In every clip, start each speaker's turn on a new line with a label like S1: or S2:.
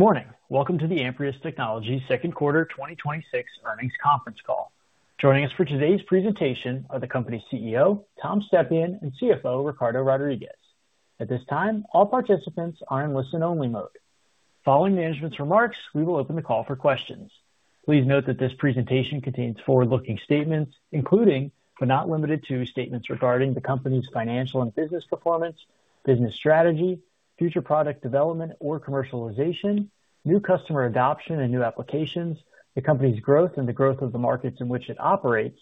S1: Good morning. Welcome to the Amprius Technologies second quarter 2026 earnings conference call. Joining us for today's presentation are the company's CEO, Tom Stepien, and CFO, Ricardo Rodriguez. At this time, all participants are in listen-only mode. Following management's remarks, we will open the call for questions. Please note that this presentation contains forward-looking statements, including, but not limited to, statements regarding the company's financial and business performance, business strategy, future product development or commercialization, new customer adoption and new applications, the company's growth and the growth of the markets in which it operates,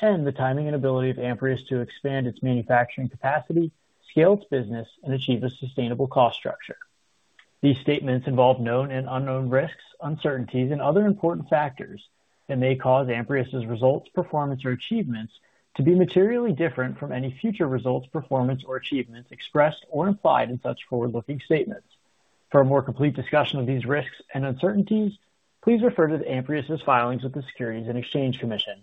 S1: and the timing and ability of Amprius to expand its manufacturing capacity, scale its business, and achieve a sustainable cost structure. These statements involve known and unknown risks, uncertainties, and other important factors that may cause Amprius' results, performance, or achievements to be materially different from any future results, performance, or achievements expressed or implied in such forward-looking statements. For a more complete discussion of these risks and uncertainties, please refer to Amprius' filings with the Securities and Exchange Commission.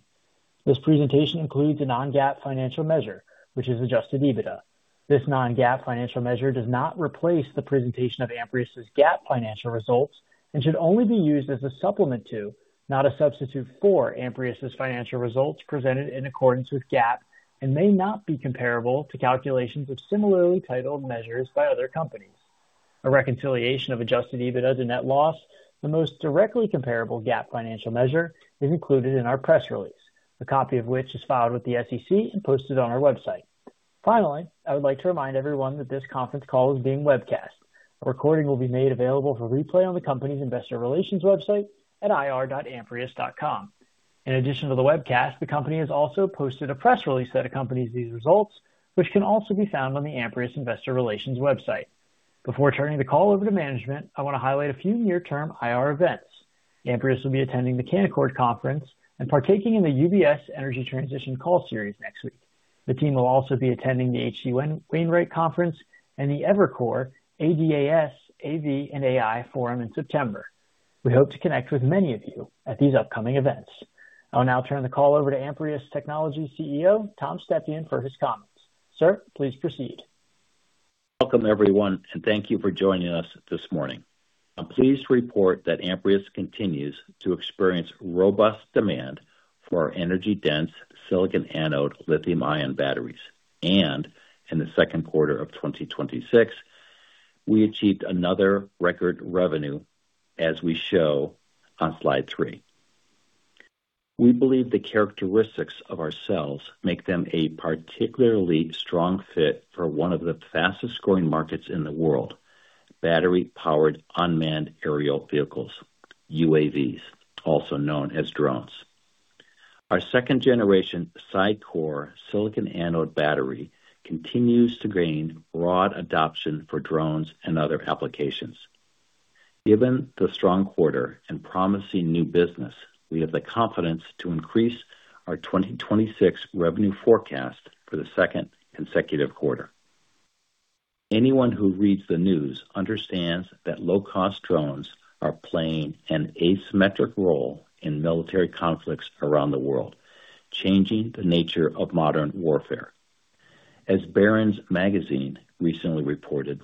S1: This presentation includes a non-GAAP financial measure, which is adjusted EBITDA. This non-GAAP financial measure does not replace the presentation of Amprius' GAAP financial results and should only be used as a supplement to, not a substitute for, Amprius' financial results presented in accordance with GAAP and may not be comparable to calculations of similarly titled measures by other companies. A reconciliation of adjusted EBITDA to net loss, the most directly comparable GAAP financial measure, is included in our press release, a copy of which is filed with the SEC and posted on our website. Finally, I would like to remind everyone that this conference call is being webcast. A recording will be made available for replay on the company's investor relations website at ir.amprius.com. In addition to the webcast, the company has also posted a press release that accompanies these results, which can also be found on the Amprius investor relations website. Before turning the call over to management, I want to highlight a few near-term IR events. Amprius will be attending the Canaccord Conference and partaking in the UBS Energy Transition Call series next week. The team will also be attending the H.C. Wainwright Conference and the Evercore ADAS, AV, and AI Forum in September. We hope to connect with many of you at these upcoming events. I will now turn the call over to Amprius Technologies CEO, Tom Stepien, for his comments. Sir, please proceed.
S2: Welcome, everyone, and thank you for joining us this morning. I'm pleased to report that Amprius continues to experience robust demand for our energy-dense silicon anode lithium-ion batteries. In the second quarter of 2026, we achieved another record revenue as we show on slide three. We believe the characteristics of our cells make them a particularly strong fit for one of the fastest-growing markets in the world, battery-powered unmanned aerial vehicles, UAVs, also known as drones. Our second-generation SiCore silicon anode battery continues to gain broad adoption for drones and other applications. Given the strong quarter and promising new business, we have the confidence to increase our 2026 revenue forecast for the second consecutive quarter. Anyone who reads the news understands that low-cost drones are playing an asymmetric role in military conflicts around the world, changing the nature of modern warfare. As Barron's magazine recently reported,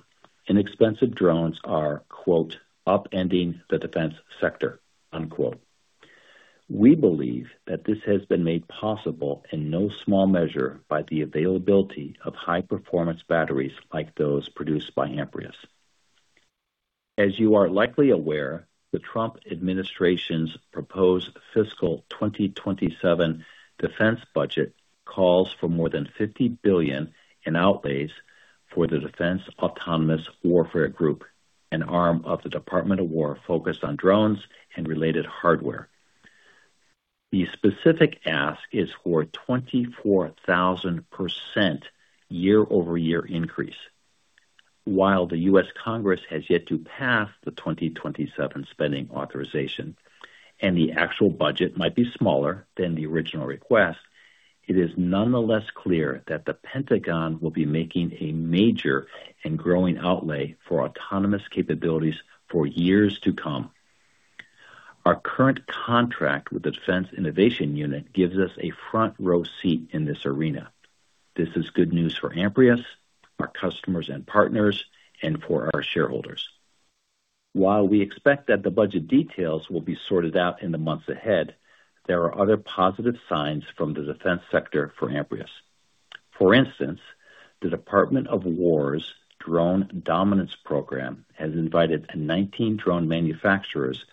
S2: inexpensive drones are, quote, "Upending the defense sector." Unquote. We believe that this has been made possible in no small measure by the availability of high-performance batteries like those produced by Amprius. As you are likely aware, the Trump administration's proposed fiscal 2027 defense budget calls for more than $50 billion in outlays for the Defense Autonomous Warfare Group, an arm of the Department of War focused on drones and related hardware. The specific ask is for 24,000% year-over-year increase. While the U.S. Congress has yet to pass the 2027 spending authorization, and the actual budget might be smaller than the original request, it is nonetheless clear that the Pentagon will be making a major and growing outlay for autonomous capabilities for years to come. Our current contract with the Defense Innovation Unit gives us a front-row seat in this arena. This is good news for Amprius, our customers and partners, and for our shareholders. While we expect that the budget details will be sorted out in the months ahead, there are other positive signs from the defense sector for Amprius. For instance, the Department of War's Drone Dominance program has invited 19 drone manufacturers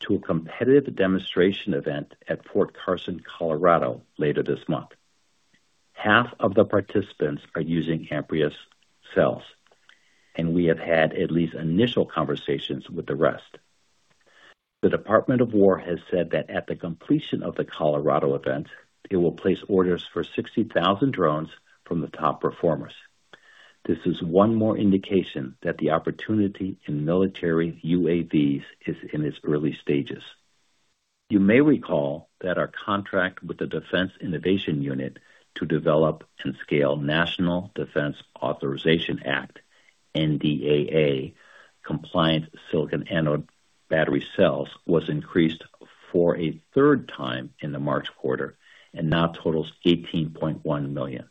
S2: to a competitive demonstration event at Fort Carson, Colorado, later this month. Half of the participants are using Amprius cells, and we have had at least initial conversations with the rest. The Department of War has said that at the completion of the Colorado event, it will place orders for 60,000 drones from the top performers. This is one more indication that the opportunity in military UAVs is in its early stages. You may recall that our contract with the Defense Innovation Unit to develop and scale National Defense Authorization Act, NDAA, compliant silicon anode battery cells was increased for a third time in the March quarter and now totals $18.1 million.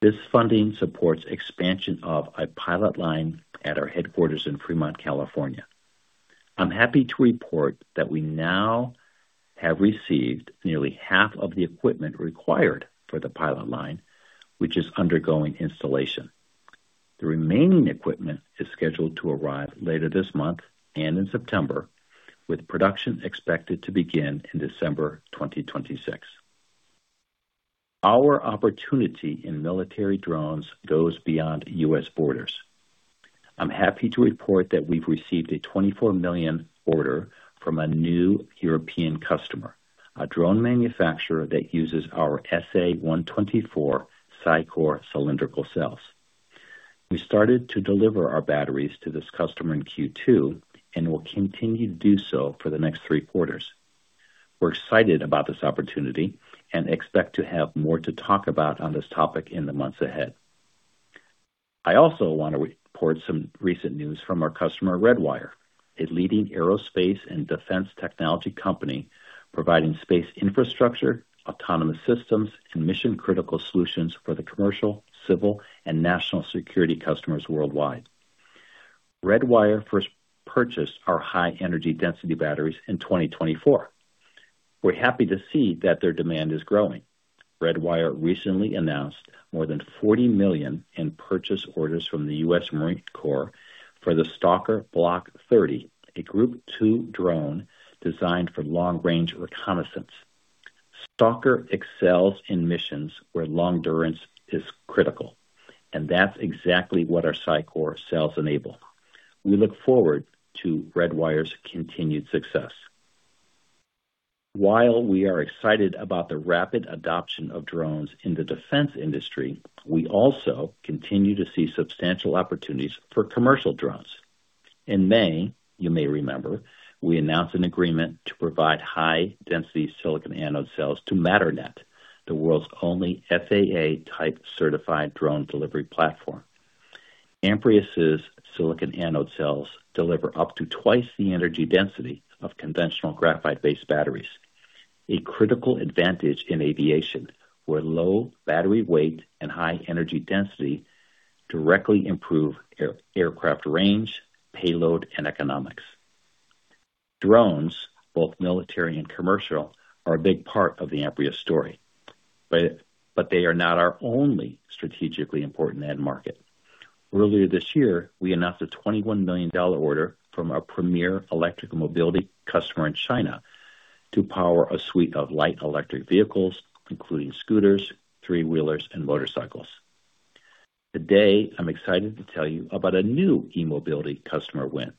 S2: This funding supports expansion of a pilot line at our headquarters in Fremont, California. I'm happy to report that we now have received nearly half of the equipment required for the pilot line, which is undergoing installation. The remaining equipment is scheduled to arrive later this month and in September, with production expected to begin in December 2026. Our opportunity in military drones goes beyond U.S. borders. I'm happy to report that we've received a $24 million order from a new European customer, a drone manufacturer that uses our SA 124 SiCore cylindrical cells. We started to deliver our batteries to this customer in Q2, and will continue to do so for the next three quarters. We're excited about this opportunity and expect to have more to talk about on this topic in the months ahead. I also want to report some recent news from our customer, Redwire, a leading aerospace and defense technology company providing space infrastructure, autonomous systems, and mission-critical solutions for the commercial, civil, and national security customers worldwide. Redwire first purchased our high energy density batteries in 2024. We're happy to see that their demand is growing. Redwire recently announced more than $40 million in purchase orders from the U.S. Marine Corps for the Stalker Block 30, a Group 2 drone designed for long-range reconnaissance. Stalker excels in missions where long duration is critical, and that's exactly what our SiCore cells enable. We look forward to Redwire's continued success. While we are excited about the rapid adoption of drones in the defense industry, we also continue to see substantial opportunities for commercial drones. In May, you may remember, we announced an agreement to provide high-density silicon anode cells to Matternet, the world's only FAA-type certified drone delivery platform. Amprius' silicon anode cells deliver up to twice the energy density of conventional graphite-based batteries, a critical advantage in aviation, where low battery weight and high energy density directly improve aircraft range, payload, and economics. Drones, both military and commercial, are a big part of the Amprius story, but they are not our only strategically important end market. Earlier this year, we announced a $21 million order from a premier electric mobility customer in China to power a suite of light electric vehicles, including scooters, three-wheelers, and motorcycles. Today, I'm excited to tell you about a new e-mobility customer win.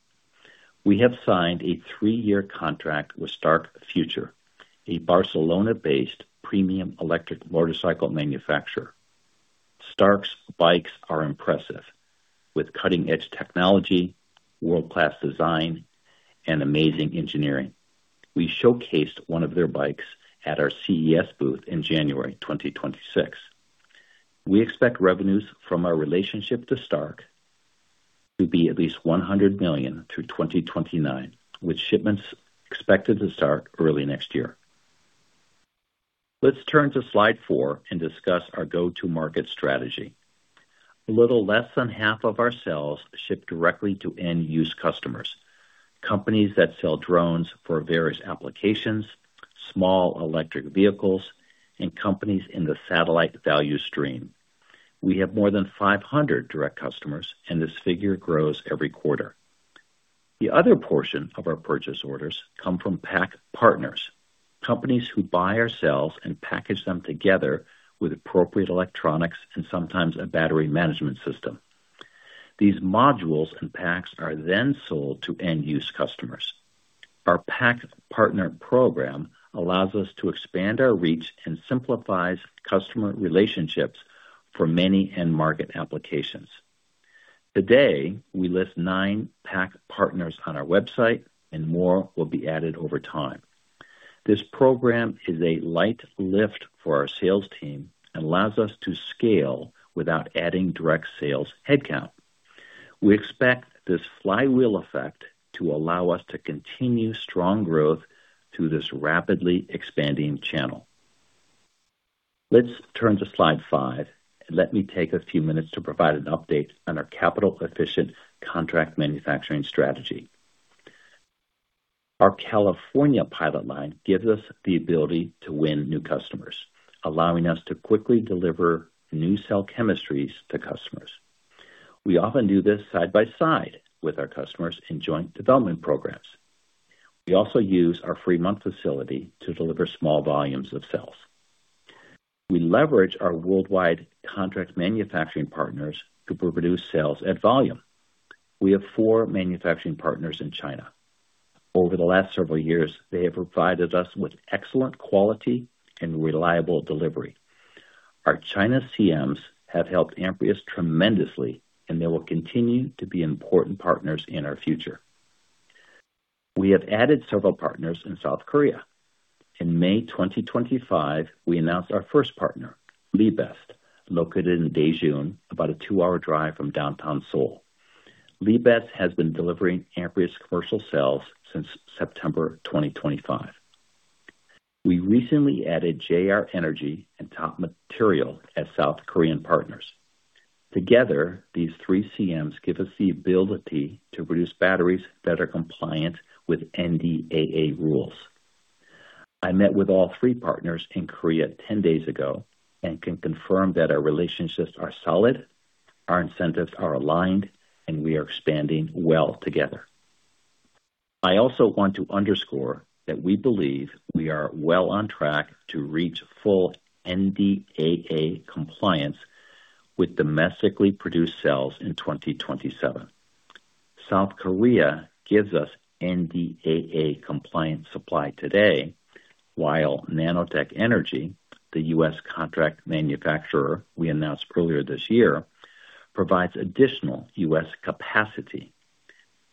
S2: We have signed a three-year contract with Stark Future, a Barcelona-based premium electric motorcycle manufacturer. Stark's bikes are impressive, with cutting-edge technology, world-class design, and amazing engineering. We showcased one of their bikes at our CES booth in January 2026. We expect revenues from our relationship to Stark to be at least $100 million through 2029, with shipments expected to start early next year. Let's turn to slide four and discuss our go-to-market strategy. A little less than half of our sales ship directly to end-use customers, companies that sell drones for various applications, small electric vehicles, and companies in the satellite value stream. We have more than 500 direct customers, and this figure grows every quarter. The other portion of our purchase orders come from pack partners, companies who buy our cells and package them together with appropriate electronics and sometimes a battery management system. These modules and packs are then sold to end-use customers. Our pack partner program allows us to expand our reach and simplifies customer relationships for many end-market applications. Today, we list nine pack partners on our website, and more will be added over time. This program is a light lift for our sales team and allows us to scale without adding direct sales headcount. We expect this flywheel effect to allow us to continue strong growth through this rapidly expanding channel. Let's turn to slide five, and let me take a few minutes to provide an update on our capital-efficient contract manufacturing strategy. Our California pilot line gives us the ability to win new customers, allowing us to quickly deliver new cell chemistries to customers. We often do this side by side with our customers in joint development programs. We also use our Fremont facility to deliver small volumes of cells. We leverage our worldwide contract manufacturing partners to produce cells at volume. We have four manufacturing partners in China. Over the last several years, they have provided us with excellent quality and reliable delivery. Our China CMs have helped Amprius tremendously, and they will continue to be important partners in our future. We have added several partners in South Korea. In May 2025, we announced our first partner, Lebest, located in Daejeon, about a two-hour drive from downtown Seoul. Lebest has been delivering Amprius commercial cells since September 2025. We recently added JR Energy and Top Material as South Korean partners. Together, these three CMs give us the ability to produce batteries that are compliant with NDAA rules. I met with all three partners in Korea 10 days ago and can confirm that our relationships are solid, our incentives are aligned, and we are expanding well together. I also want to underscore that we believe we are well on track to reach full NDAA compliance with domestically produced cells in 2027. South Korea gives us NDAA compliant supply today, while Nanotech Energy, the U.S. contract manufacturer we announced earlier this year, provides additional U.S. capacity.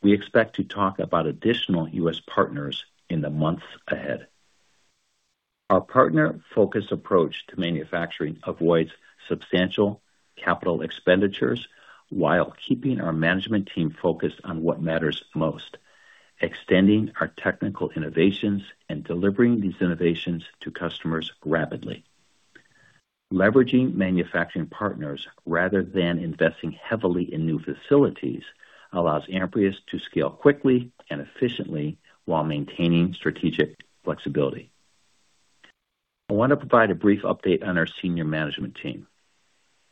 S2: We expect to talk about additional U.S. partners in the months ahead. Our partner-focused approach to manufacturing avoids substantial capital expenditures while keeping our management team focused on what matters most, extending our technical innovations and delivering these innovations to customers rapidly. Leveraging manufacturing partners rather than investing heavily in new facilities allows Amprius to scale quickly and efficiently while maintaining strategic flexibility. I want to provide a brief update on our senior management team.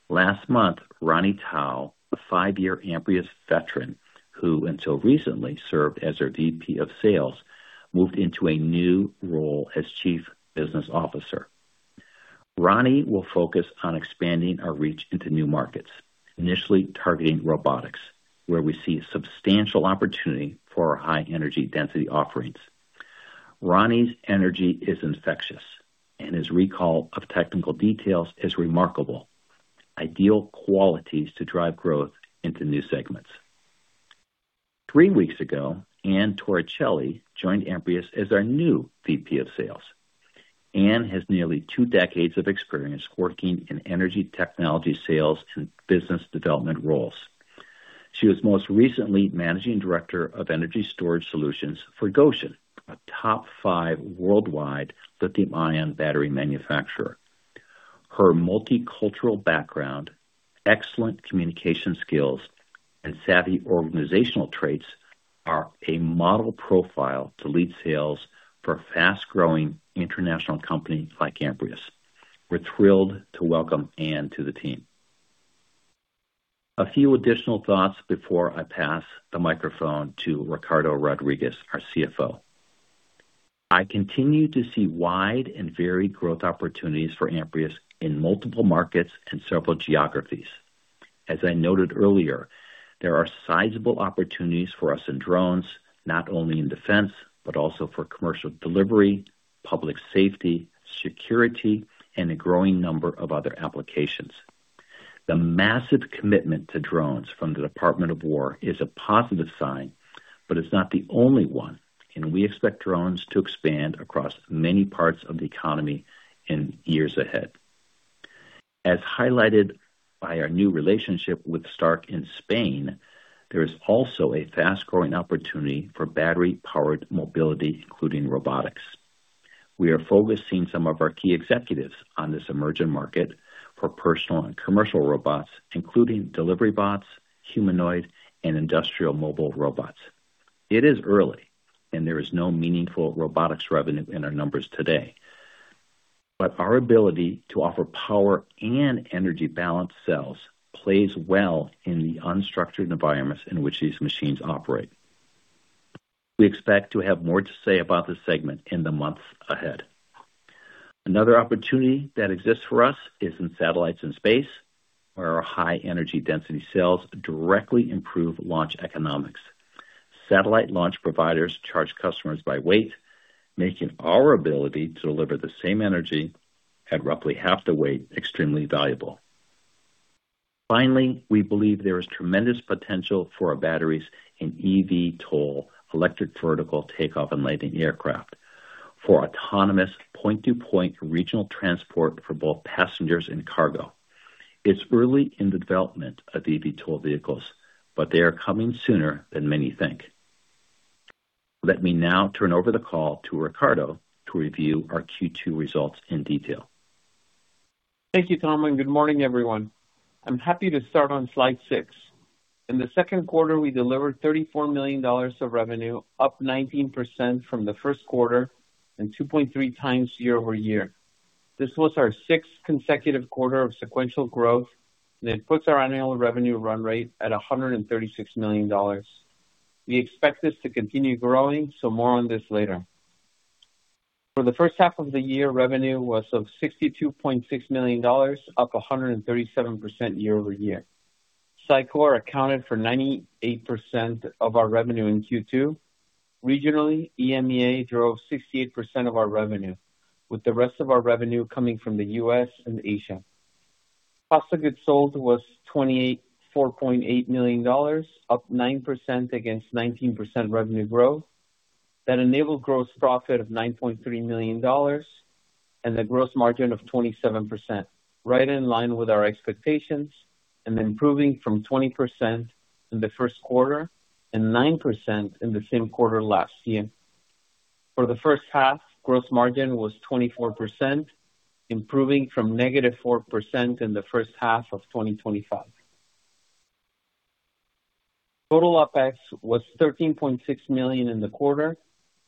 S2: Last month, Ronnie Tao, a five-year Amprius veteran who until recently served as our VP of Sales, moved into a new role as Chief Business Officer. Ronnie will focus on expanding our reach into new markets, initially targeting robotics, where we see substantial opportunity for our high energy density offerings. Ronnie's energy is infectious, and his recall of technical details is remarkable. Ideal qualities to drive growth into new segments. Three weeks ago, Anne Torricelli joined Amprius as our new VP of Sales. Anne has nearly two decades of experience working in energy technology sales and business development roles. She was most recently Managing Director of Energy Storage Solutions for Gotion, a top five worldwide lithium-ion battery manufacturer. Her multicultural background, excellent communication skills, and savvy organizational traits are a model profile to lead sales for a fast-growing international company like Amprius. We're thrilled to welcome Anne to the team. A few additional thoughts before I pass the microphone to Ricardo Rodriguez, our CFO. I continue to see wide and varied growth opportunities for Amprius in multiple markets and several geographies. As I noted earlier, there are sizable opportunities for us in drones, not only in defense, but also for commercial delivery, public safety, security, and a growing number of other applications. The massive commitment to drones from the Department of War is a positive sign, but it's not the only one, and we expect drones to expand across many parts of the economy in years ahead. As highlighted by our new relationship with Stark in Spain, there is also a fast-growing opportunity for battery-powered mobility, including robotics. We are focusing some of our key executives on this emerging market for personal and commercial robots, including delivery bots, humanoid, and industrial mobile robots. It is early, and there is no meaningful robotics revenue in our numbers today, but our ability to offer power and energy balanced cells plays well in the unstructured environments in which these machines operate. We expect to have more to say about this segment in the months ahead. Another opportunity that exists for us is in satellites and space, where our high energy density cells directly improve launch economics. Satellite launch providers charge customers by weight, making our ability to deliver the same energy at roughly half the weight extremely valuable. Finally, we believe there is tremendous potential for our batteries in eVTOL, Electric Vertical Takeoff and Landing aircraft, for autonomous point-to-point regional transport for both passengers and cargo. It's early in the development of eVTOL vehicles, but they are coming sooner than many think. Let me now turn over the call to Ricardo to review our Q2 results in detail.
S3: Thank you, Tom. Good morning, everyone. I'm happy to start on slide six. In the second quarter, we delivered $34 million of revenue, up 19% from the first quarter and 2.3 times year-over-year. This was our sixth consecutive quarter of sequential growth, and it puts our annual revenue run rate at $136 million. We expect this to continue growing, so more on this later. For the first half of the year, revenue was of $62.6 million, up 137% year-over-year. SiCore accounted for 98% of our revenue in Q2. Regionally, EMEA drove 68% of our revenue, with the rest of our revenue coming from the U.S. and Asia. Cost of goods sold was $24.8 million, up 9% against 19% revenue growth. That enabled gross profit of $9.3 million. A gross margin of 27%, right in line with our expectations, and improving from 20% in the first quarter and 9% in the same quarter last year. For the first half, gross margin was 24%, improving from negative 4% in the first half of 2025. Total OPEX was $13.6 million in the quarter,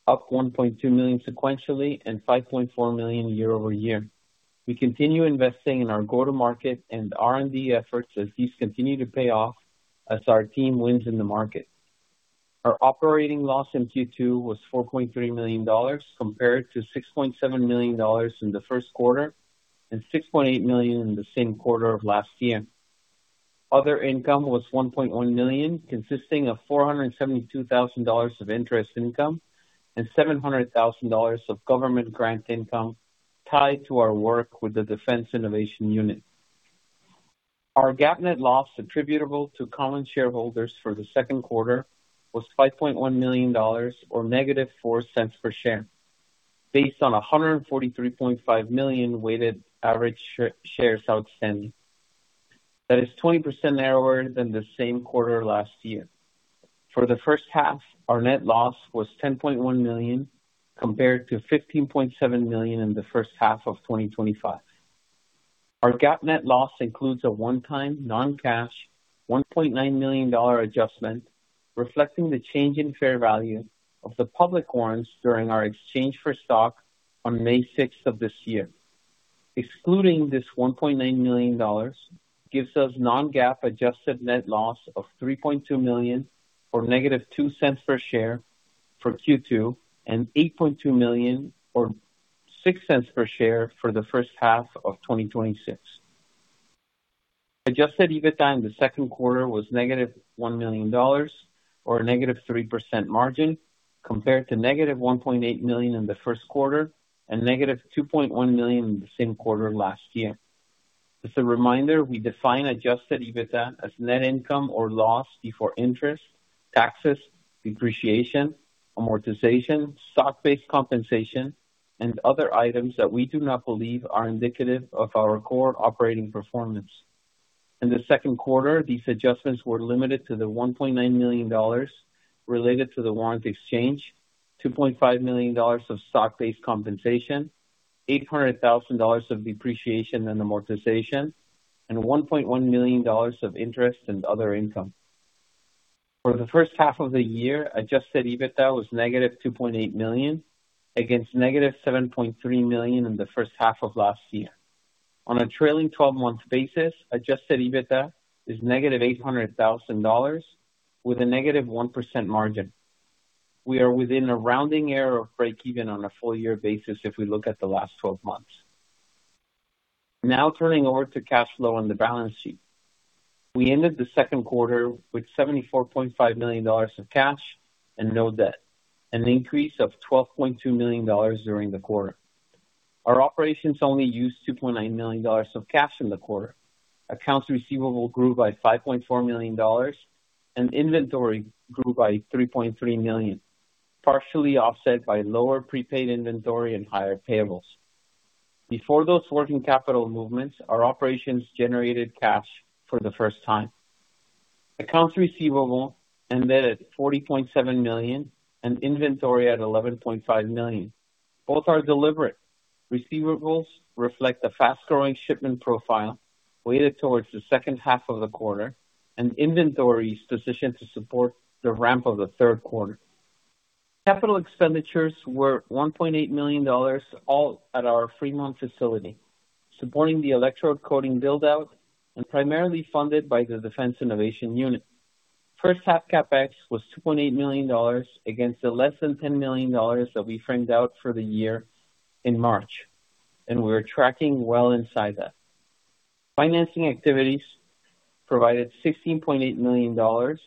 S3: up $1.2 million sequentially and $5.4 million year-over-year. We continue investing in our go-to-market and R&D efforts as these continue to pay off as our team wins in the market. Our operating loss in Q2 was $4.3 million, compared to $6.7 million in the first quarter and $6.8 million in the same quarter of last year. Other income was $1.1 million, consisting of $472,000 of interest income and $700,000 of government grant income tied to our work with the Defense Innovation Unit. Our GAAP net loss attributable to common shareholders for the second quarter was $5.1 million or negative $0.04 per share, based on 143.5 million weighted average shares outstanding. That is 20% narrower than the same quarter last year. For the first half, our net loss was $10.1 million, compared to $15.7 million in the first half of 2025. Our GAAP net loss includes a one-time non-cash $1.9 million adjustment, reflecting the change in fair value of the public warrants during our exchange for stock on May 6th of this year. Excluding this $1.9 million gives us non-GAAP adjusted net loss of $3.2 million or negative $0.02 per share for Q2, and $8.2 million or $0.06 per share for the first half of 2026. Adjusted EBITDA in the second quarter was negative $1 million or a negative 3% margin, compared to negative $1.8 million in the first quarter and negative $2.1 million in the same quarter last year. As a reminder, we define Adjusted EBITDA as net income or loss before interest, taxes, depreciation, amortization, stock-based compensation, and other items that we do not believe are indicative of our core operating performance. In the second quarter, these adjustments were limited to the $1.9 million related to the warrant exchange, $2.5 million of stock-based compensation, $800,000 of depreciation and amortization, and $1.1 million of interest and other income. For the first half of the year, Adjusted EBITDA was negative $2.8 million against negative $7.3 million in the first half of last year. On a trailing 12-month basis, Adjusted EBITDA is negative $800,000 with a negative 1% margin. We are within a rounding error of breakeven on a full year basis if we look at the last 12 months. Turning over to cash flow and the balance sheet. We ended the second quarter with $74.5 million of cash and no debt, an increase of $12.2 million during the quarter. Our operations only used $2.9 million of cash in the quarter. Accounts receivable grew by $5.4 million, and inventory grew by $3.3 million, partially offset by lower prepaid inventory and higher payables. Before those working capital movements, our operations generated cash for the first time. Accounts receivable ended at $40.7 million, and inventory at $11.5 million. Both are deliberate. Receivables reflect a fast-growing shipment profile weighted towards the second half of the quarter, and inventories positioned to support the ramp of the third quarter. Capital expenditures were $1.8 million, all at our Fremont facility, supporting the electrode coating build-out and primarily funded by the Defense Innovation Unit. First half CapEx was $2.8 million against the less than $10 million that we framed out for the year in March, and we're tracking well inside that. Financing activities provided $16.8 million,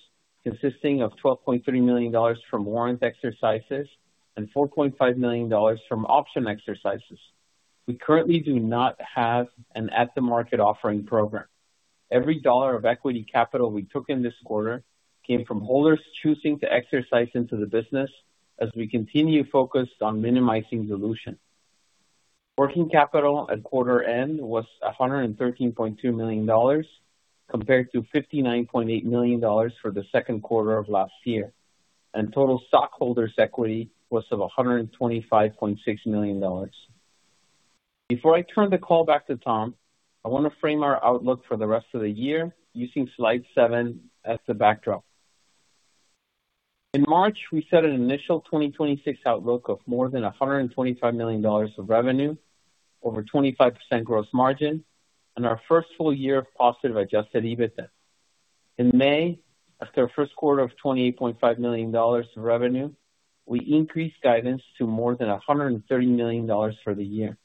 S3: consisting of $12.3 million from warrant exercises and $4.5 million from option exercises. We currently do not have an at-the-market offering program. Every dollar of equity capital we took in this quarter came from holders choosing to exercise into the business as we continue focused on minimizing dilution. Working capital at quarter end was $113.2 million, compared to $59.8 million for the second quarter of last year, and total stockholders' equity was of $125.6 million. Before I turn the call back to Tom, I want to frame our outlook for the rest of the year using slide seven as the backdrop. In March, we set an initial 2026 outlook of more than $125 million of revenue, over 25% gross margin, and our first full year of positive adjusted EBITDA. In May, after our first quarter of $28.5 million of revenue, we increased guidance to more than $130 million for the year.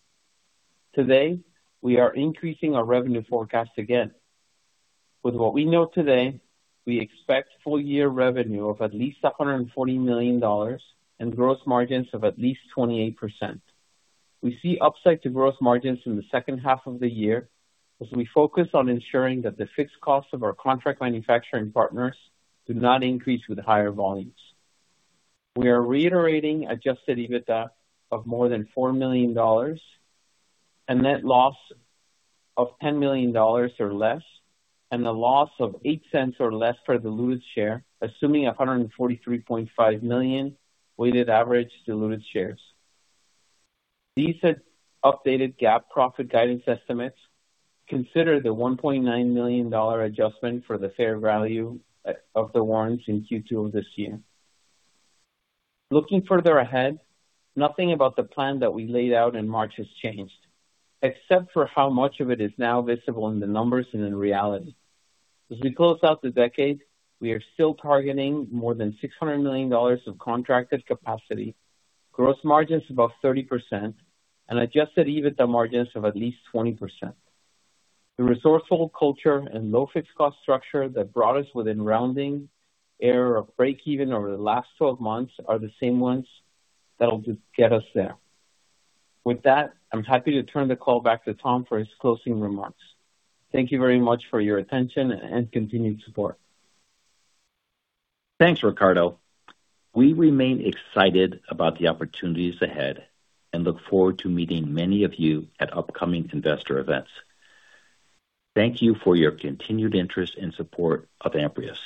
S3: Today, we are increasing our revenue forecast again. With what we know today, we expect full year revenue of at least $140 million and gross margins of at least 28%. We see upside to gross margins in the second half of the year as we focus on ensuring that the fixed costs of our contract manufacturing partners do not increase with higher volumes. We are reiterating adjusted EBITDA of more than $4 million, a net loss of $10 million or less, and a loss of $0.08 or less per diluted share, assuming 143.5 million weighted average diluted shares. These updated GAAP profit guidance estimates consider the $1.9 million adjustment for the fair value of the warrants in Q2 of this year. Looking further ahead, nothing about the plan that we laid out in March has changed, except for how much of it is now visible in the numbers and in reality. As we close out the decade, we are still targeting more than $600 million of contracted capacity, gross margins above 30%, and adjusted EBITDA margins of at least 20%. The resourceful culture and low fixed cost structure that brought us within rounding error of breakeven over the last 12 months are the same ones that'll get us there. With that, I'm happy to turn the call back to Tom for his closing remarks. Thank you very much for your attention and continued support.
S2: Thanks, Ricardo. We remain excited about the opportunities ahead and look forward to meeting many of you at upcoming investor events. Thank you for your continued interest and support of Amprius.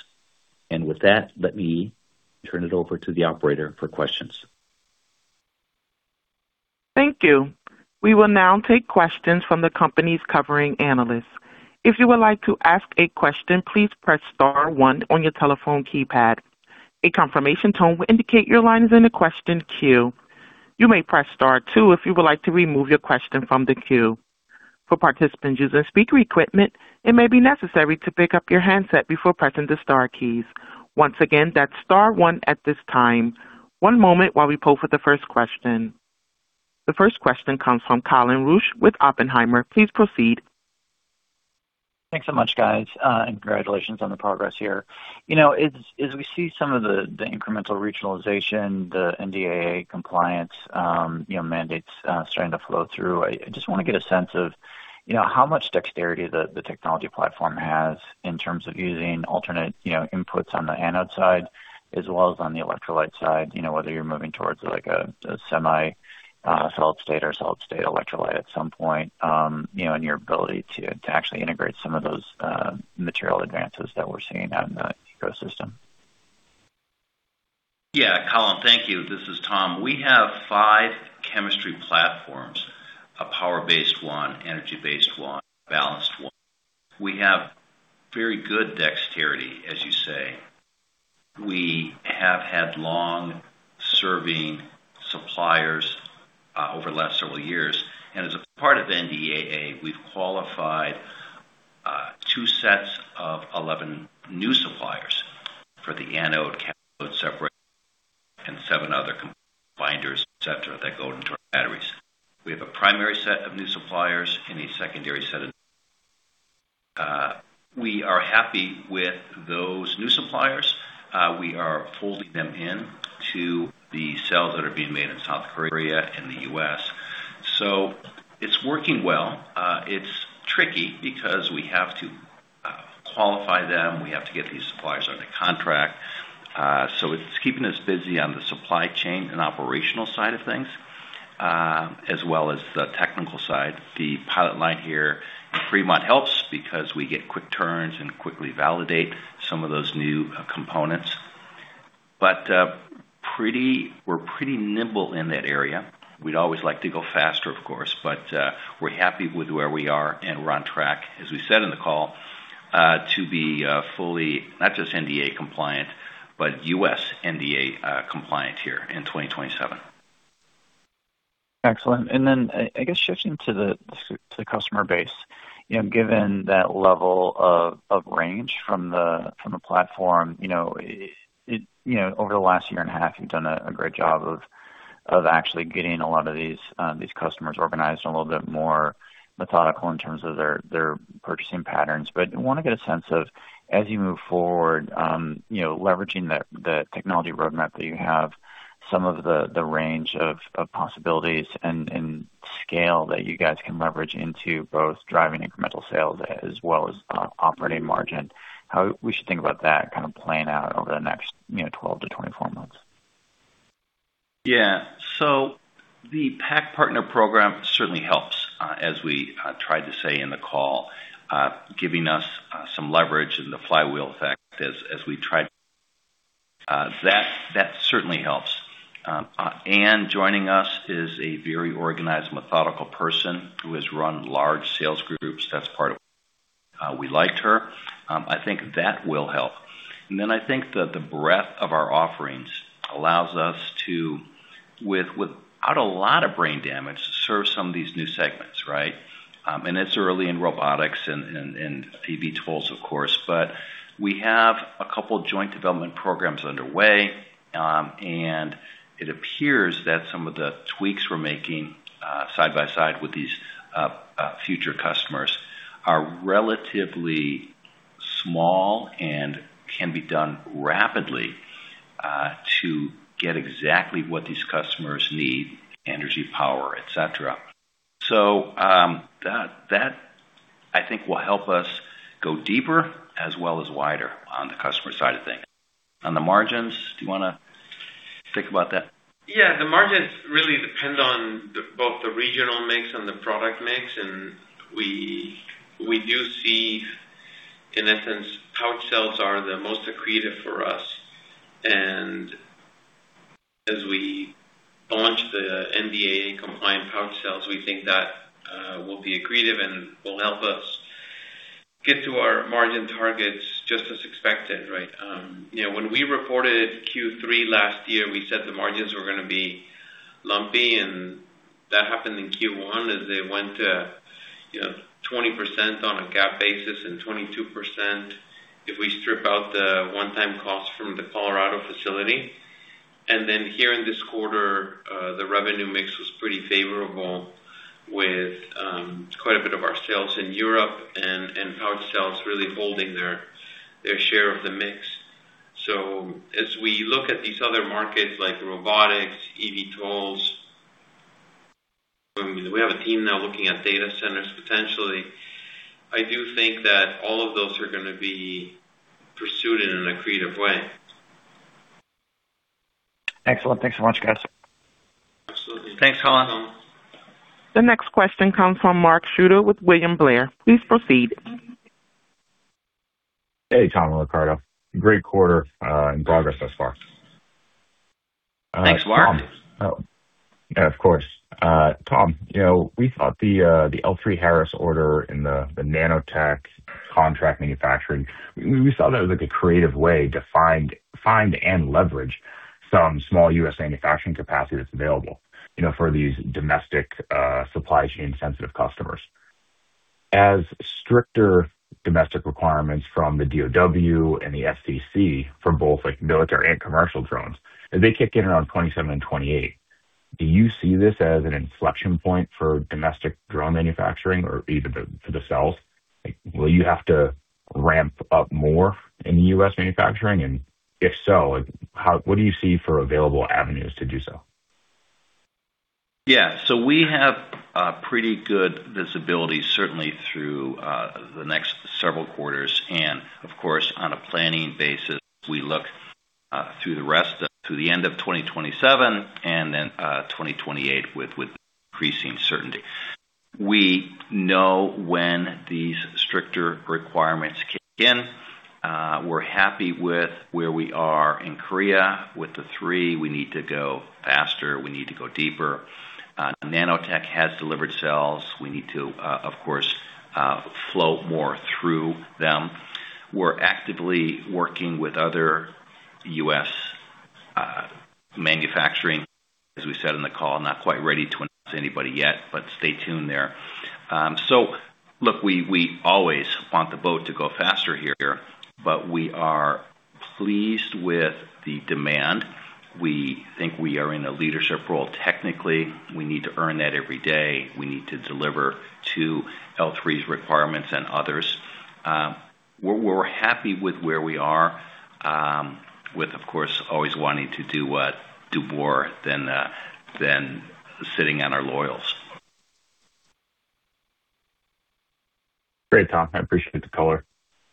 S2: With that, let me turn it over to the operator for questions.
S1: Thank you. We will now take questions from the company's covering analysts. If you would like to ask a question, please press star one on your telephone keypad. A confirmation tone will indicate your line is in the question queue. You may press star two if you would like to remove your question from the queue. For participants using speaker equipment, it may be necessary to pick up your handset before pressing the star keys. Once again, that's star one at this time. One moment while we poll for the first question. The first question comes from Colin Rusch with Oppenheimer. Please proceed.
S4: Thanks so much, guys, and congratulations on the progress here. As we see some of the incremental regionalization, the NDAA compliance mandates starting to flow through, I just want to get a sense of how much dexterity the technology platform has in terms of using alternate inputs on the anode side as well as on the electrolyte side, whether you're moving towards a semi-solid state or solid state electrolyte at some point, and your ability to actually integrate some of those material advances that we're seeing out in the ecosystem.
S2: Colin, thank you. This is Tom. We have five chemistry platforms, a power-based one, energy-based one, balanced one. We have very good dexterity, as you say. We have had long-serving suppliers over the last several years, and as a part of NDAA, we've qualified two sets of 11 new suppliers for the anode, cathode separation, and seven other binders, et cetera, that go into our batteries. We have a primary set of new suppliers and a secondary set of. We are happy with those new suppliers. We are folding them in to the cells that are being made in South Korea and the U.S. It's working well. It's tricky because we have to qualify them. We have to get these suppliers under contract. It's keeping us busy on the supply chain and operational side of things, as well as the technical side. The pilot line here in Fremont helps because we get quick turns and quickly validate some of those new components. We're pretty nimble in that area. We'd always like to go faster, of course, but we're happy with where we are, and we're on track, as we said on the call, to be fully not just NDAA compliant, but U.S. NDAA compliant here in 2027.
S4: Excellent. I guess, shifting to the customer base. Given that level of range from the platform, over the last year and a half, you've done a great job of actually getting a lot of these customers organized and a little bit more methodical in terms of their purchasing patterns. I want to get a sense of, as you move forward, leveraging the technology roadmap that you have, some of the range of possibilities and scale that you guys can leverage into both driving incremental sales as well as operating margin. How we should think about that kind of playing out over the next 12-24 months.
S2: Yeah. The pack partner program certainly helps, as we tried to say in the call, giving us some leverage and the flywheel effect as we tried. That certainly helps. Anne joining us is a very organized, methodical person who has run large sales groups. That's part of why we liked her. I think that will help. I think that the breadth of our offerings allows us to, without a lot of brain damage, serve some of these new segments, right? It's early in robotics and eVTOLs, of course, but we have a couple joint development programs underway. It appears that some of the tweaks we're making side by side with these future customers are relatively small and can be done rapidly, to get exactly what these customers need, energy, power, et cetera. That I think will help us go deeper as well as wider on the customer side of things. On the margins, do you want to speak about that?
S3: Yeah. The margins really depend on both the regional mix and the product mix, we do see, in essence, pouch cells are the most accretive for us. As we launch the NDAA-compliant pouch cells, we think that will be accretive and will help us get to our margin targets just as expected. When we reported Q3 last year, we said the margins were going to be lumpy, that happened in Q1 as they went to 20% on a GAAP basis and 22% if we strip out the one-time cost from the Colorado facility. Then here in this quarter, the revenue mix was pretty favorable with quite a bit of our sales in Europe and pouch cells really holding their share of the mix. As we look at these other markets like robotics, eVTOLs, we have a team now looking at data centers potentially. I do think that all of those are going to be pursued in an accretive way.
S4: Excellent. Thanks so much, guys.
S3: Absolutely. Thanks, Colin.
S1: The next question comes from Mark Schooter with William Blair. Please proceed.
S5: Hey, Tom and Ricardo. Great quarter and progress thus far.
S2: Thanks, Mark.
S5: Yeah, of course. Tom, we thought the L3Harris order and the Nanotech contract manufacturing, we saw that as a creative way to find and leverage some small U.S. manufacturing capacity that's available for these domestic supply chain sensitive customers. As stricter domestic requirements from the DOW and the FAA for both military and commercial drones, they kick in around 2027 and 2028. Do you see this as an inflection point for domestic drone manufacturing or for the cells? Will you have to ramp up more in the U.S. manufacturing? If so, what do you see for available avenues to do so?
S2: Yeah. We have pretty good visibility certainly through the next several quarters. Of course, on a planning basis, we look through the end of 2027 and then 2028 with increasing certainty. We know when these stricter requirements kick in. We're happy with where we are in Korea. With the three, we need to go faster, we need to go deeper. Nanotech has delivered cells. We need to, of course, flow more through them. We're actively working with other U.S. manufacturing. As we said in the call, not quite ready to announce anybody yet, but stay tuned there. Look, we always want the boat to go faster here, but we are pleased with the demand. We think we are in a leadership role technically. We need to earn that every day. We need to deliver to L3's requirements and others. We're happy with where we are with, of course, always wanting to do more than sitting on our laurels.
S5: Great, Tom. I appreciate the color.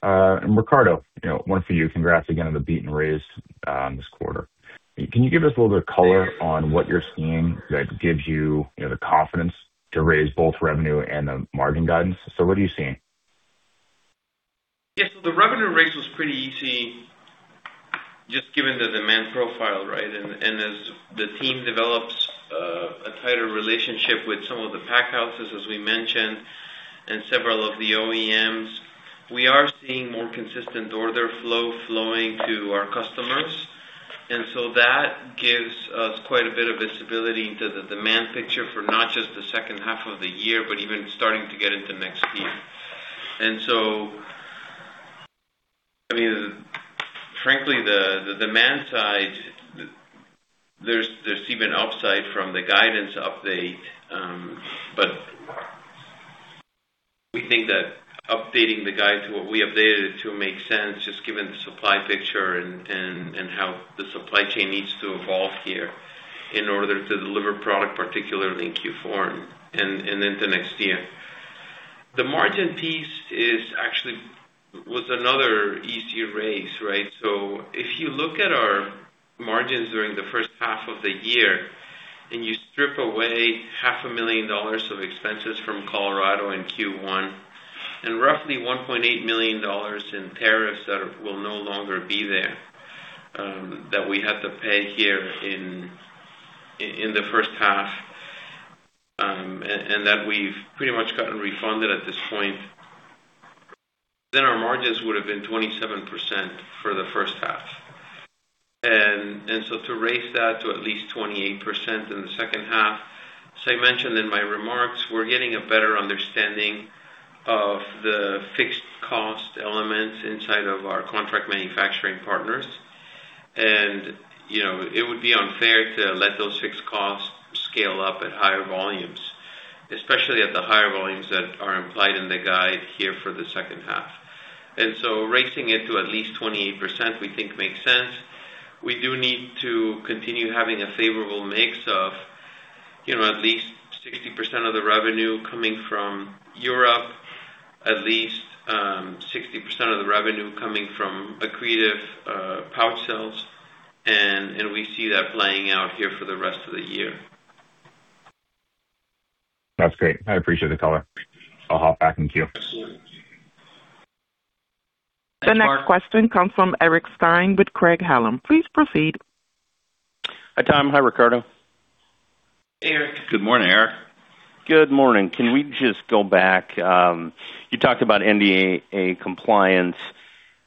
S5: Ricardo, one for you. Congrats again on the beat and raise this quarter. Can you give us a little bit of color on what you're seeing that gives you the confidence to raise both revenue and the margin guidance? What are you seeing?
S3: Yeah. The revenue raise was pretty easy just given the demand profile. As the team develops a tighter relationship with some of the pack houses, as we mentioned, and several of the OEMs, we are seeing more consistent order flow flowing to our customers. That gives us quite a bit of visibility into the demand picture for not just the second half of the year, but even starting to get into next year. Frankly, the demand side, there's even upside from the guidance update, but we think that updating the guide to what we updated it to makes sense, just given the supply picture and how the supply chain needs to evolve here in order to deliver product, particularly in Q4 and into next year. The margin piece actually was another easy raise. If you look at our margins during the first half of the year and you strip away half a million dollars of expenses from Colorado in Q1 and roughly $1.8 million in tariffs that will no longer be there, that we had to pay here in the first half, and that we've pretty much gotten refunded at this point, then our margins would have been 27% for the first half. To raise that to at least 28% in the second half, as I mentioned in my remarks, we're getting a better understanding of the fixed cost elements inside of our contract manufacturing partners. It would be unfair to let those fixed costs scale up at higher volumes, especially at the higher volumes that are implied in the guide here for the second half. Raising it to at least 28%, we think makes sense. We do need to continue having a favorable mix of at least 60% of the revenue coming from Europe, at least 60% of the revenue coming from accretive pouch cells. We see that playing out here for the rest of the year.
S5: That's great. I appreciate the color. I'll hop back in queue.
S1: The next question comes from Eric Stine with Craig-Hallum. Please proceed.
S6: Hi, Tom. Hi, Ricardo.
S2: Hey, Eric. Good morning, Eric.
S6: Good morning. Can we just go back? You talked about NDAA compliance.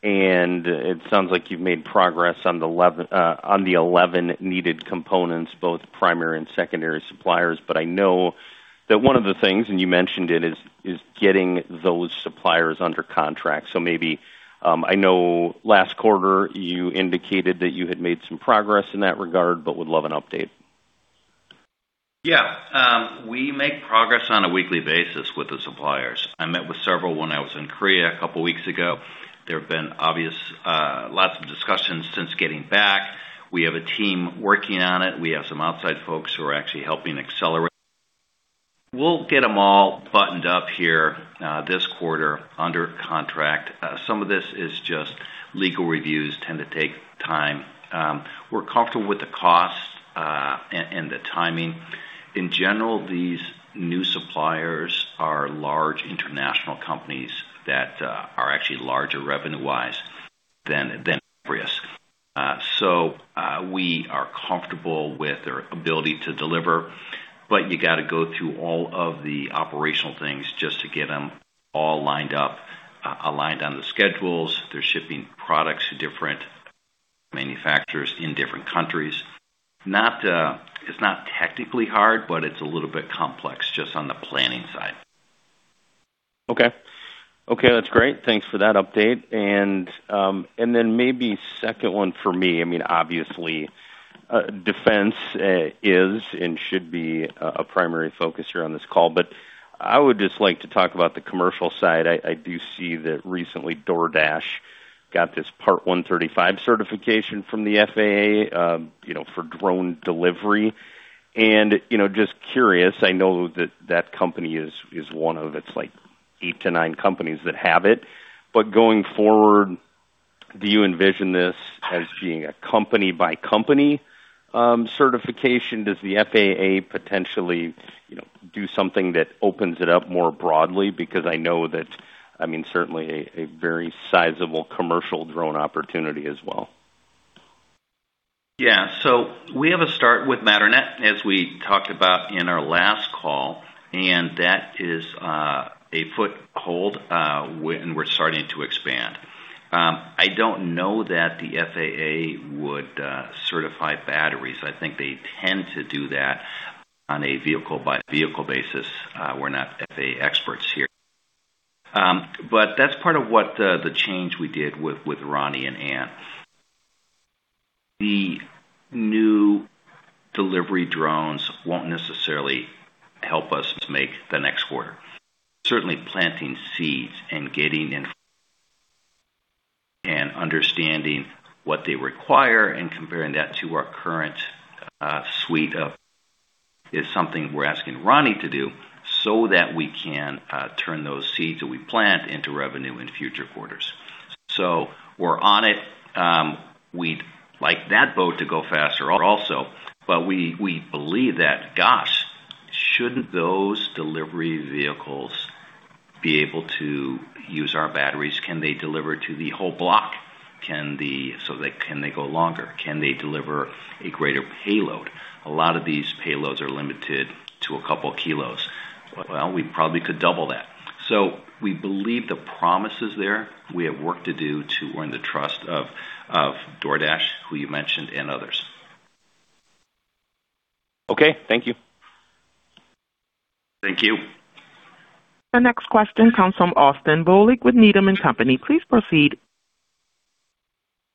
S6: It sounds like you've made progress on the 11 needed components, both primary and secondary suppliers. I know that one of the things, and you mentioned it, is getting those suppliers under contract. I know last quarter you indicated that you had made some progress in that regard. Would love an update.
S2: Yeah. We make progress on a weekly basis with the suppliers. I met with several when I was in Korea a couple of weeks ago. There have been lots of discussions since getting back. We have a team working on it. We have some outside folks who are actually helping accelerate. We'll get them all buttoned up here, this quarter under contract. Some of this is just legal reviews tend to take time. We're comfortable with the cost and the timing. In general, these new suppliers are large international companies that are actually larger revenue-wise than Amprius. We are comfortable with their ability to deliver. You got to go through all of the operational things just to get them all lined up, aligned on the schedules. They're shipping products to different manufacturers in different countries. It's not technically hard, but it's a little bit complex just on the planning side.
S6: Okay. That's great. Thanks for that update. Maybe second one for me, obviously, defense is and should be a primary focus here on this call, but I would just like to talk about the commercial side. I do see that recently DoorDash got this Part 135 certification from the FAA for drone delivery. Just curious, I know that that company is one of, it's like eight to nine companies that have it. Going forward, do you envision this as being a company by company certification? Does the FAA potentially do something that opens it up more broadly? I know that, certainly a very sizable commercial drone opportunity as well.
S2: Yeah. We have a start with Matternet, as we talked about in our last call, and that is a foothold, and we're starting to expand. I don't know that the FAA would certify batteries. I think they tend to do that on a vehicle-by-vehicle basis. We're not FAA experts here. That's part of what the change we did with Ronnie and Anne. The new delivery drones won't necessarily help us make the next quarter. Certainly planting seeds and getting in and understanding what they require and comparing that to our current suite of is something we're asking Ronnie to do so that we can turn those seeds that we plant into revenue in future quarters. We're on it. We'd like that boat to go faster also. We believe that, gosh, shouldn't those delivery vehicles be able to use our batteries? Can they deliver to the whole block? Can they go longer? Can they deliver a greater payload? A lot of these payloads are limited to a couple of kilos. Well, we probably could double that. We believe the promise is there. We have work to do to earn the trust of DoorDash, who you mentioned, and others.
S6: Okay. Thank you.
S2: Thank you.
S1: The next question comes from Austin Bohlig with Needham & Company. Please proceed.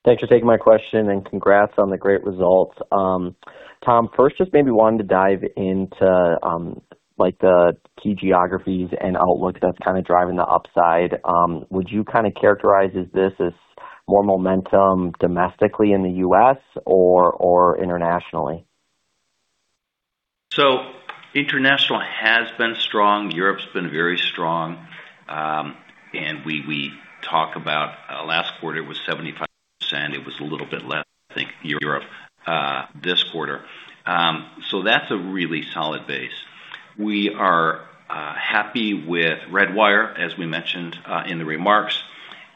S7: Thanks for taking my question, and congrats on the great results. Tom, first, just maybe wanting to dive into the key geographies and outlook that's kind of driving the upside. Would you kind of characterize this as more momentum domestically in the U.S. or internationally?
S2: International has been strong. Europe's been very strong. We talk about last quarter, it was 75%. It was a little bit less, I think, Europe, this quarter. That's a really solid base. We are happy with Redwire, as we mentioned in the remarks,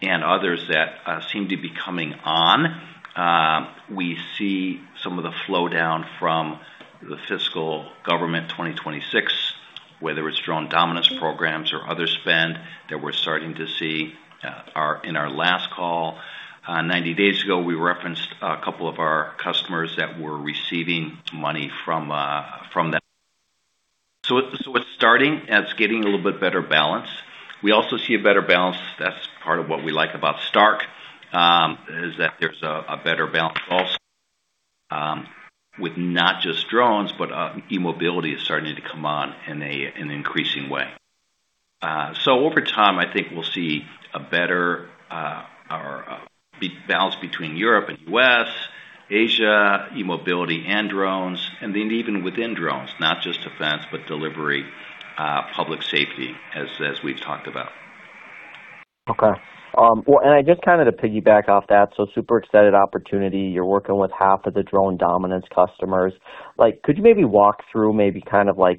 S2: and others that seem to be coming on. We see some of the flow down from the fiscal government 2026, whether it's Drone Dominance Programs or other spend that we're starting to see. In our last call 90 days ago, we referenced a couple of our customers that were receiving money from that. It's starting, and it's getting a little bit better balance. We also see a better balance. That's part of what we like about Stark, is that there's a better balance also, with not just drones, but e-mobility is starting to come on in an increasing way. Over time, I think we'll see a better balance between Europe and U.S., Asia, e-mobility and drones, and then even within drones, not just defense, but delivery, public safety, as we've talked about.
S7: Okay. Just to piggyback off that, super excited opportunity. You're working with half of the Drone Dominance customers. Could you maybe walk through maybe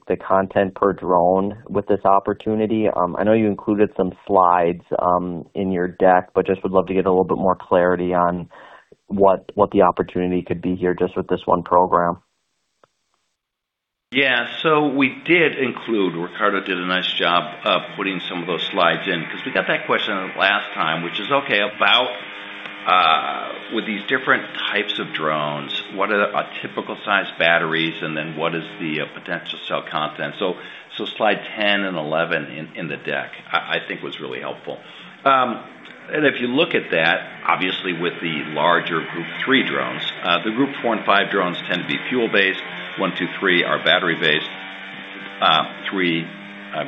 S7: the content per drone with this opportunity? I know you included some slides in your deck, just would love to get a little bit more clarity on what the opportunity could be here just with this one program.
S2: Yeah. We did include, Ricardo did a nice job of putting some of those slides in, because we got that question last time, which is okay, about with these different types of drones, what are the typical size batteries, and then what is the potential cell content? Slide 10 and 11 in the deck, I think was really helpful. If you look at that, obviously with the larger group 3 drones, the group 4 and 5 drones tend to be fuel-based, group 1, group 2, group 3 are battery-based.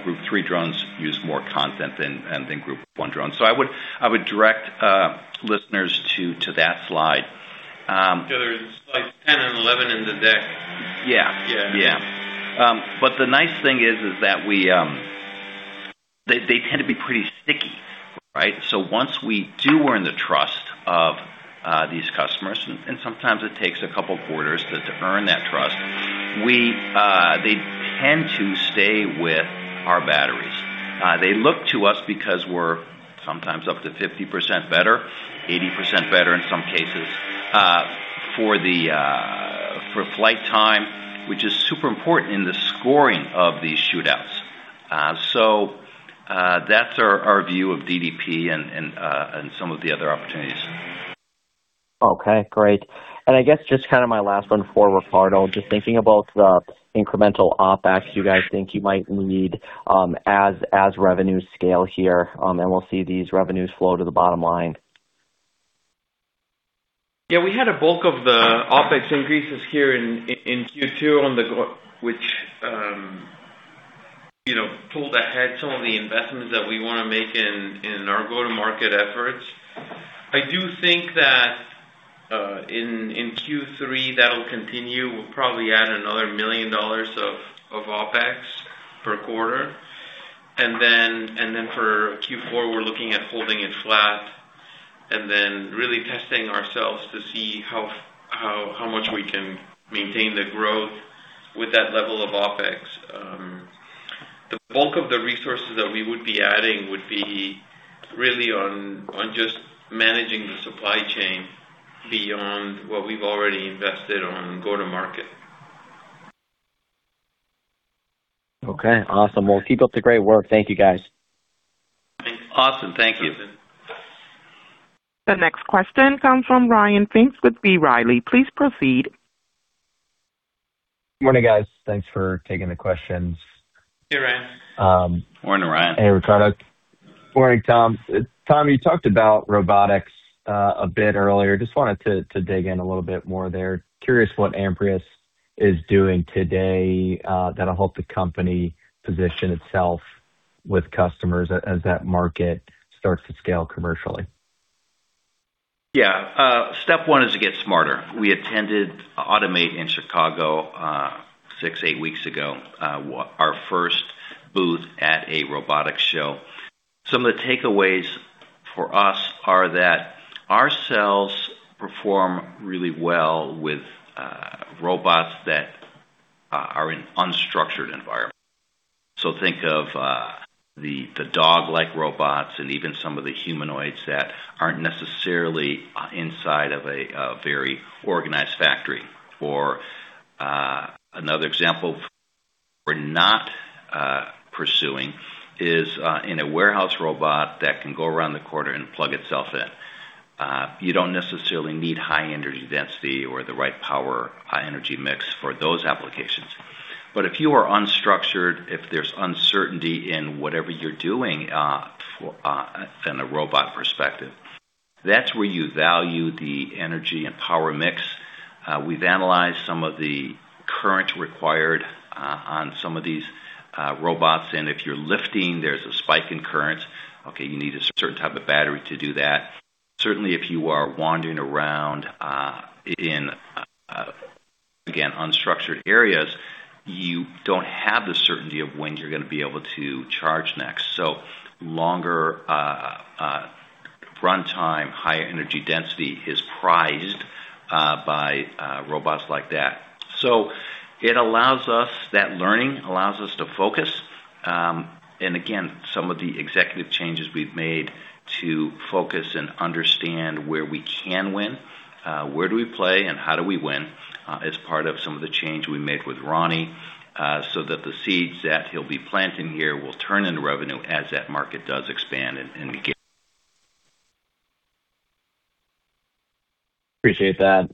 S2: Group 3 drones use more content than group 1 drones. I would direct listeners to that slide.
S3: There's slides 10 and 11 in the deck.
S2: Yeah.
S3: Yeah.
S2: The nice thing is that they tend to be pretty sticky, right? Once we do earn the trust of these customers, and sometimes it takes a couple of quarters to earn that trust, they tend to stay with our batteries. They look to us because we're sometimes up to 50% better, 80% better in some cases, for flight time, which is super important in the scoring of these shootouts. That's our view of DDP and some of the other opportunities.
S7: Okay, great. I guess just my last one for Ricardo, just thinking about the incremental OpEx you guys think you might need as revenues scale here, and we'll see these revenues flow to the bottom line.
S3: We had a bulk of the OpEx increases here in Q2, which pulled ahead some of the investments that we want to make in our go-to-market efforts. I do think that in Q3, that'll continue. We'll probably add another $1 million of OpEx per quarter. For Q4, we're looking at holding it flat and then really testing ourselves to see how much we can maintain the growth with that level of OpEx. The bulk of the resources that we would be adding would be really on just managing the supply chain beyond what we've already invested on go-to-market.
S7: Okay, awesome. Well, keep up the great work. Thank you, guys.
S2: Awesome. Thank you.
S1: The next question comes from Ryan Pfingst with B. Riley. Please proceed.
S8: Morning, guys. Thanks for taking the questions.
S3: Hey, Ryan.
S2: Morning, Ryan.
S8: Hey, Ricardo. Morning, Tom. Tom, you talked about robotics a bit earlier. Just wanted to dig in a little bit more there. Curious what Amprius is doing today that'll help the company position itself with customers as that market starts to scale commercially.
S2: Yeah. Step one is to get smarter. We attended Automate in Chicago, six, eight weeks ago, our first booth at a robotics show. Some of the takeaways for us are that our cells perform really well with robots that are in unstructured environments. Think of the dog-like robots and even some of the humanoids that aren't necessarily inside of a very organized factory. For another example, we're not pursuing is in a warehouse robot that can go around the corner and plug itself in. You don't necessarily need high energy density or the right power energy mix for those applications. If you are unstructured, if there's uncertainty in whatever you're doing from a robot perspective, that's where you value the energy and power mix. We've analyzed some of the current required on some of these robots, and if you're lifting, there's a spike in current. Okay, you need a certain type of battery to do that. Certainly, if you are wandering around in, again, unstructured areas, you don't have the certainty of when you're going to be able to charge next. Longer run time, higher energy density is prized by robots like that. That learning allows us to focus. And again, some of the executive changes we've made to focus and understand where we can win, where do we play and how do we win, as part of some of the change we made with Ronnie, so that the seeds that he'll be planting here will turn into revenue as that market does expand and begin.
S8: Appreciate that.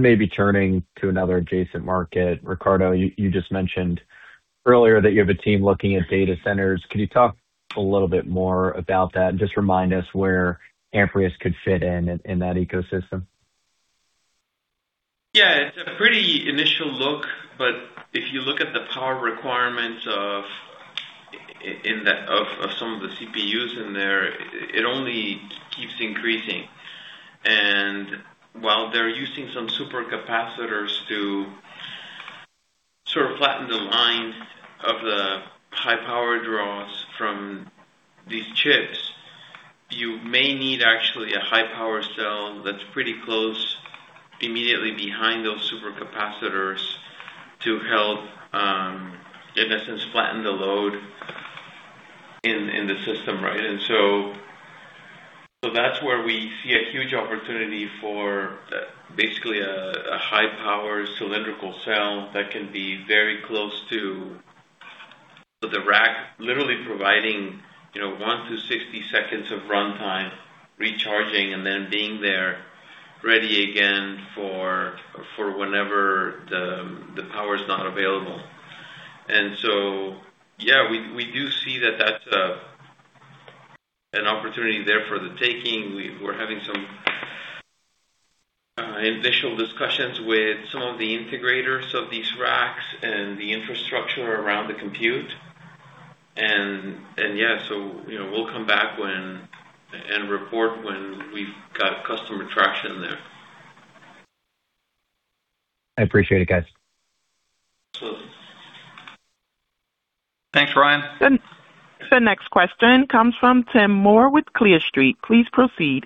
S8: Maybe turning to another adjacent market, Ricardo, you just mentioned earlier that you have a team looking at data centers. Could you talk a little bit more about that and just remind us where Amprius could fit in that ecosystem?
S3: Yeah, it's a pretty initial look, but if you look at the power requirements of some of the CPUs in there, it only keeps increasing. While they're using some super capacitors to sort of flatten the line of the high power draws from these chips, you may need actually a high power cell that's pretty close immediately behind those super capacitors to help, in essence, flatten the load in the system, right? That's where we see a huge opportunity for basically a high power cylindrical cell that can be very close to the rack, literally providing one to 60 seconds of runtime recharging and then being there ready again for whenever the power's not available. Yeah, we do see that that's an opportunity there for the taking. We're having some initial discussions with some of the integrators of these racks and the infrastructure around the compute. Yeah, we'll come back and report when we've got customer traction there.
S8: I appreciate it, guys.
S3: Absolutely.
S2: Thanks, Ryan.
S1: The next question comes from Tim Moore with Clear Street. Please proceed.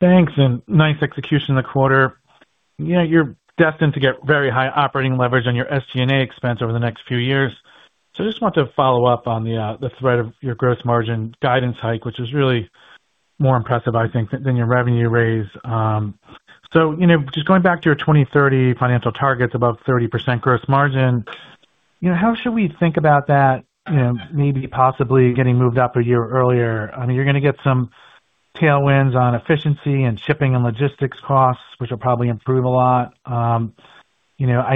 S9: Thanks. Nice execution in the quarter. You're destined to get very high operating leverage on your SG&A expense over the next few years. I just wanted to follow up on the thread of your gross margin guidance hike, which was really more impressive, I think, than your revenue raise. Just going back to your 2030 financial targets, above 30% gross margin, how should we think about that maybe possibly getting moved up a year earlier? I mean, you're gonna get some tailwinds on efficiency and shipping and logistics costs, which will probably improve a lot. I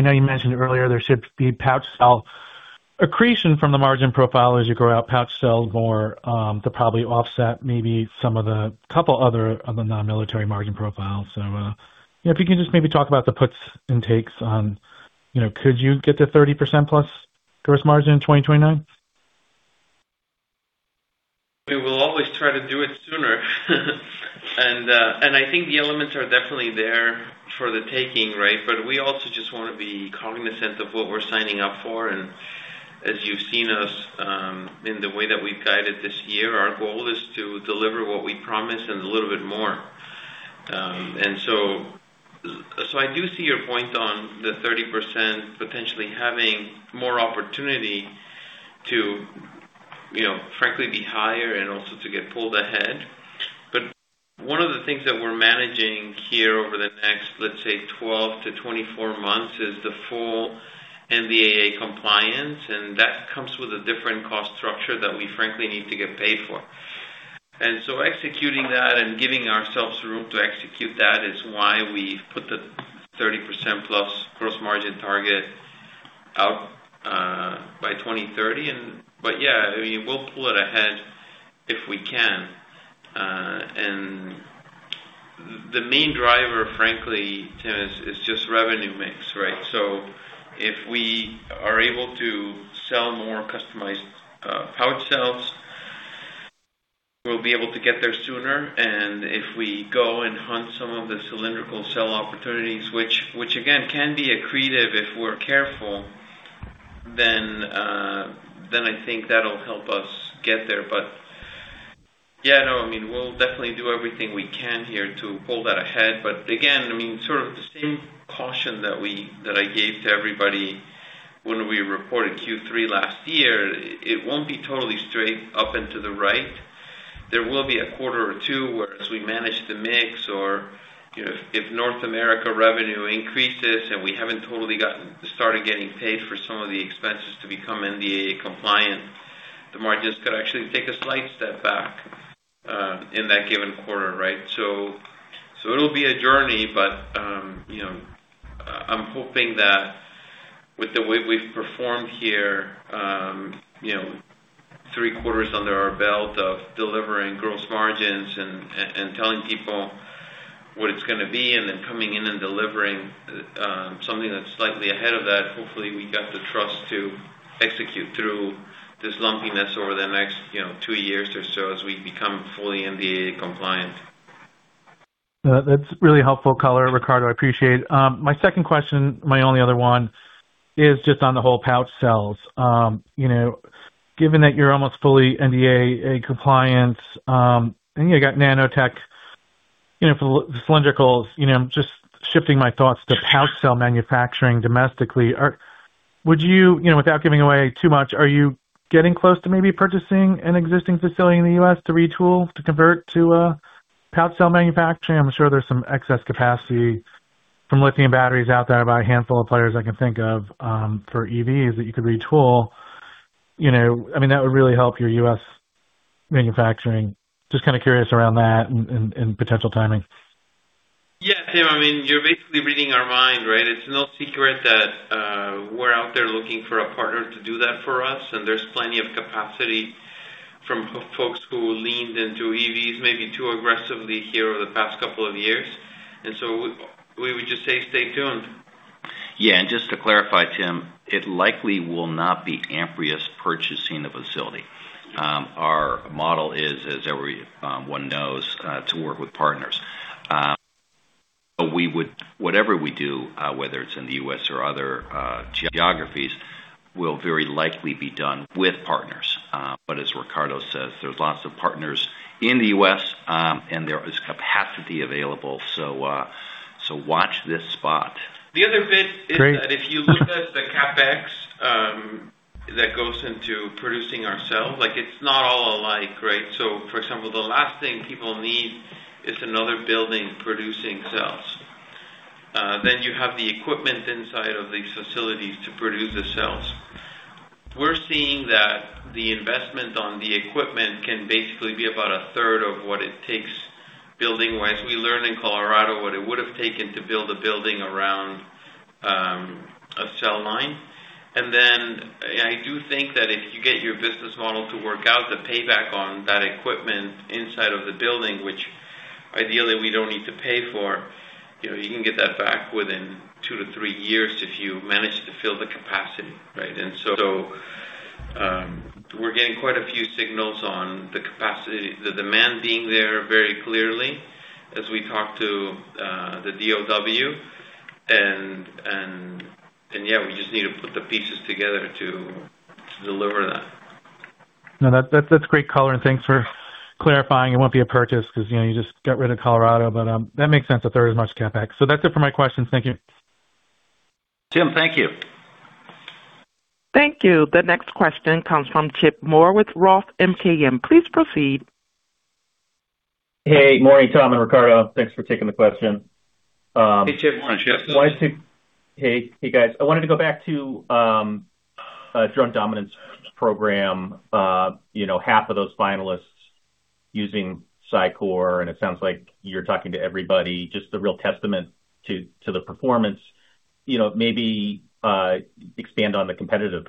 S9: know you mentioned earlier there should be pouch cell accretion from the margin profile as you grow out pouch cell more, to probably offset maybe some of the couple other of the non-military margin profile. If you can just maybe talk about the puts and takes on could you get to 30%+ gross margin in 2029?
S3: We will always try to do it sooner. I think the elements are definitely there for the taking, right? We also just want to be cognizant of what we're signing up for. As you've seen us in the way that we've guided this year, our goal is to deliver what we promise and a little bit more. I do see your point on the 30% potentially having more opportunity to frankly be higher and also to get pulled ahead. One of the things that we're managing here over the next, let's say, 12-24 months, is the full NDAA compliance, and that comes with a different cost structure that we frankly need to get paid for. Executing that and giving ourselves room to execute that is why we've put the 30%+ gross margin target out by 2030. Yeah, we'll pull it ahead if we can. The main driver, frankly, Tim, is just revenue mix, right? If we are able to sell more customized pouch cells, we'll be able to get there sooner. If we go and hunt some of the cylindrical cell opportunities, which again, can be accretive if we're careful, then I think that'll help us get there. Yeah, no, we'll definitely do everything we can here to pull that ahead. Again, sort of the same caution that I gave to everybody when we reported Q3 last year, it won't be totally straight up and to the right. There will be a quarter or two whereas we manage the mix or if North America revenue increases and we haven't totally gotten started getting paid for some of the expenses to become NDAA compliant, the margins could actually take a slight step back in that given quarter, right? It'll be a journey, but I'm hoping that with the way we've performed here, three quarters under our belt of delivering gross margins and telling people what it's going to be and then coming in and delivering something that's slightly ahead of that. Hopefully, we got the trust to execute through this lumpiness over the next two years or so as we become fully NDAA compliant.
S9: No, that's really helpful color, Ricardo. I appreciate. My second question, my only other one, is just on the whole pouch cells. Given that you're almost fully NDAA compliant, and you got Nanotech for the cylindrical, just shifting my thoughts to pouch cell manufacturing domestically. Without giving away too much, are you getting close to maybe purchasing an existing facility in the U.S. to retool, to convert to pouch cell manufacturing? I'm sure there's some excess capacity from lithium batteries out there by a handful of players I can think of, for EVs that you could retool. That would really help your U.S. manufacturing. Just kind of curious around that and potential timing.
S3: Yeah, Tim, you're basically reading our mind, right? Out there looking for a partner to do that for us, there's plenty of capacity from folks who leaned into EVs maybe too aggressively here over the past couple of years. We would just say, stay tuned.
S2: Yeah. Just to clarify, Tim, it likely will not be Amprius purchasing the facility. Our model is, as everyone knows, to work with partners. Whatever we do, whether it's in the U.S. or other geographies, will very likely be done with partners. As Ricardo says, there's lots of partners in the U.S., and there is capacity available. Watch this spot.
S3: The other bit is that if you look at the CapEx that goes into producing our cells, it's not all alike, right? For example, the last thing people need is another building producing cells. You have the equipment inside of these facilities to produce the cells. We're seeing that the investment on the equipment can basically be about a third of what it takes building-wise. We learned in Colorado what it would have taken to build a building around a cell line. I do think that if you get your business model to work out the payback on that equipment inside of the building, which ideally we don't need to pay for, you can get that back within 2-3 years if you manage to fill the capacity, right? We're getting quite a few signals on the capacity, the demand being there very clearly as we talk to the DOD, and yeah, we just need to put the pieces together to deliver that.
S9: That's great color, and thanks for clarifying it won't be a purchase because you just got rid of Colorado. That makes sense that there is much CapEx. That's it for my questions. Thank you.
S2: Tim, thank you.
S1: Thank you. The next question comes from Chip Moore with Roth MKM. Please proceed.
S10: Hey. Morning, Tom and Ricardo. Thanks for taking the question.
S2: Hey, Chip.
S3: Morning, Chip.
S10: Hey. Hey, guys. I wanted to go back to Drone Dominance Program. Half of those finalists using SiCore, and it sounds like you're talking to everybody, just the real testament to the performance. Maybe expand on the competitive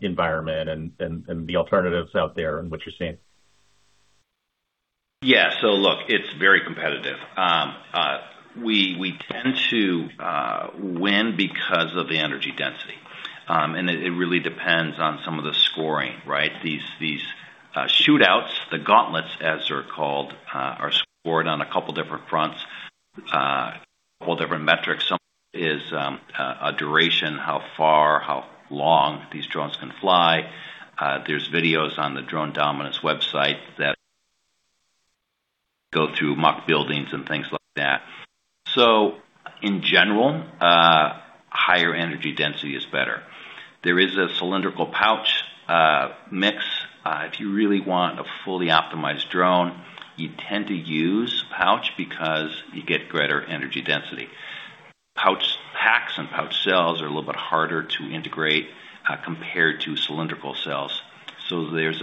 S10: environment and the alternatives out there and what you're seeing.
S2: Yeah. Look, it's very competitive. We tend to win because of the energy density. It really depends on some of the scoring, right? These shootouts, the gauntlets, as they're called, are scored on a couple different fronts, a couple different metrics. Some is a duration, how far, how long these drones can fly. There's videos on the Drone Dominance website that go through mock buildings and things like that. In general, higher energy density is better. There is a cylindrical pouch mix. If you really want a fully optimized drone, you tend to use pouch because you get greater energy density. Pouch packs and pouch cells are a little bit harder to integrate compared to cylindrical cells. That's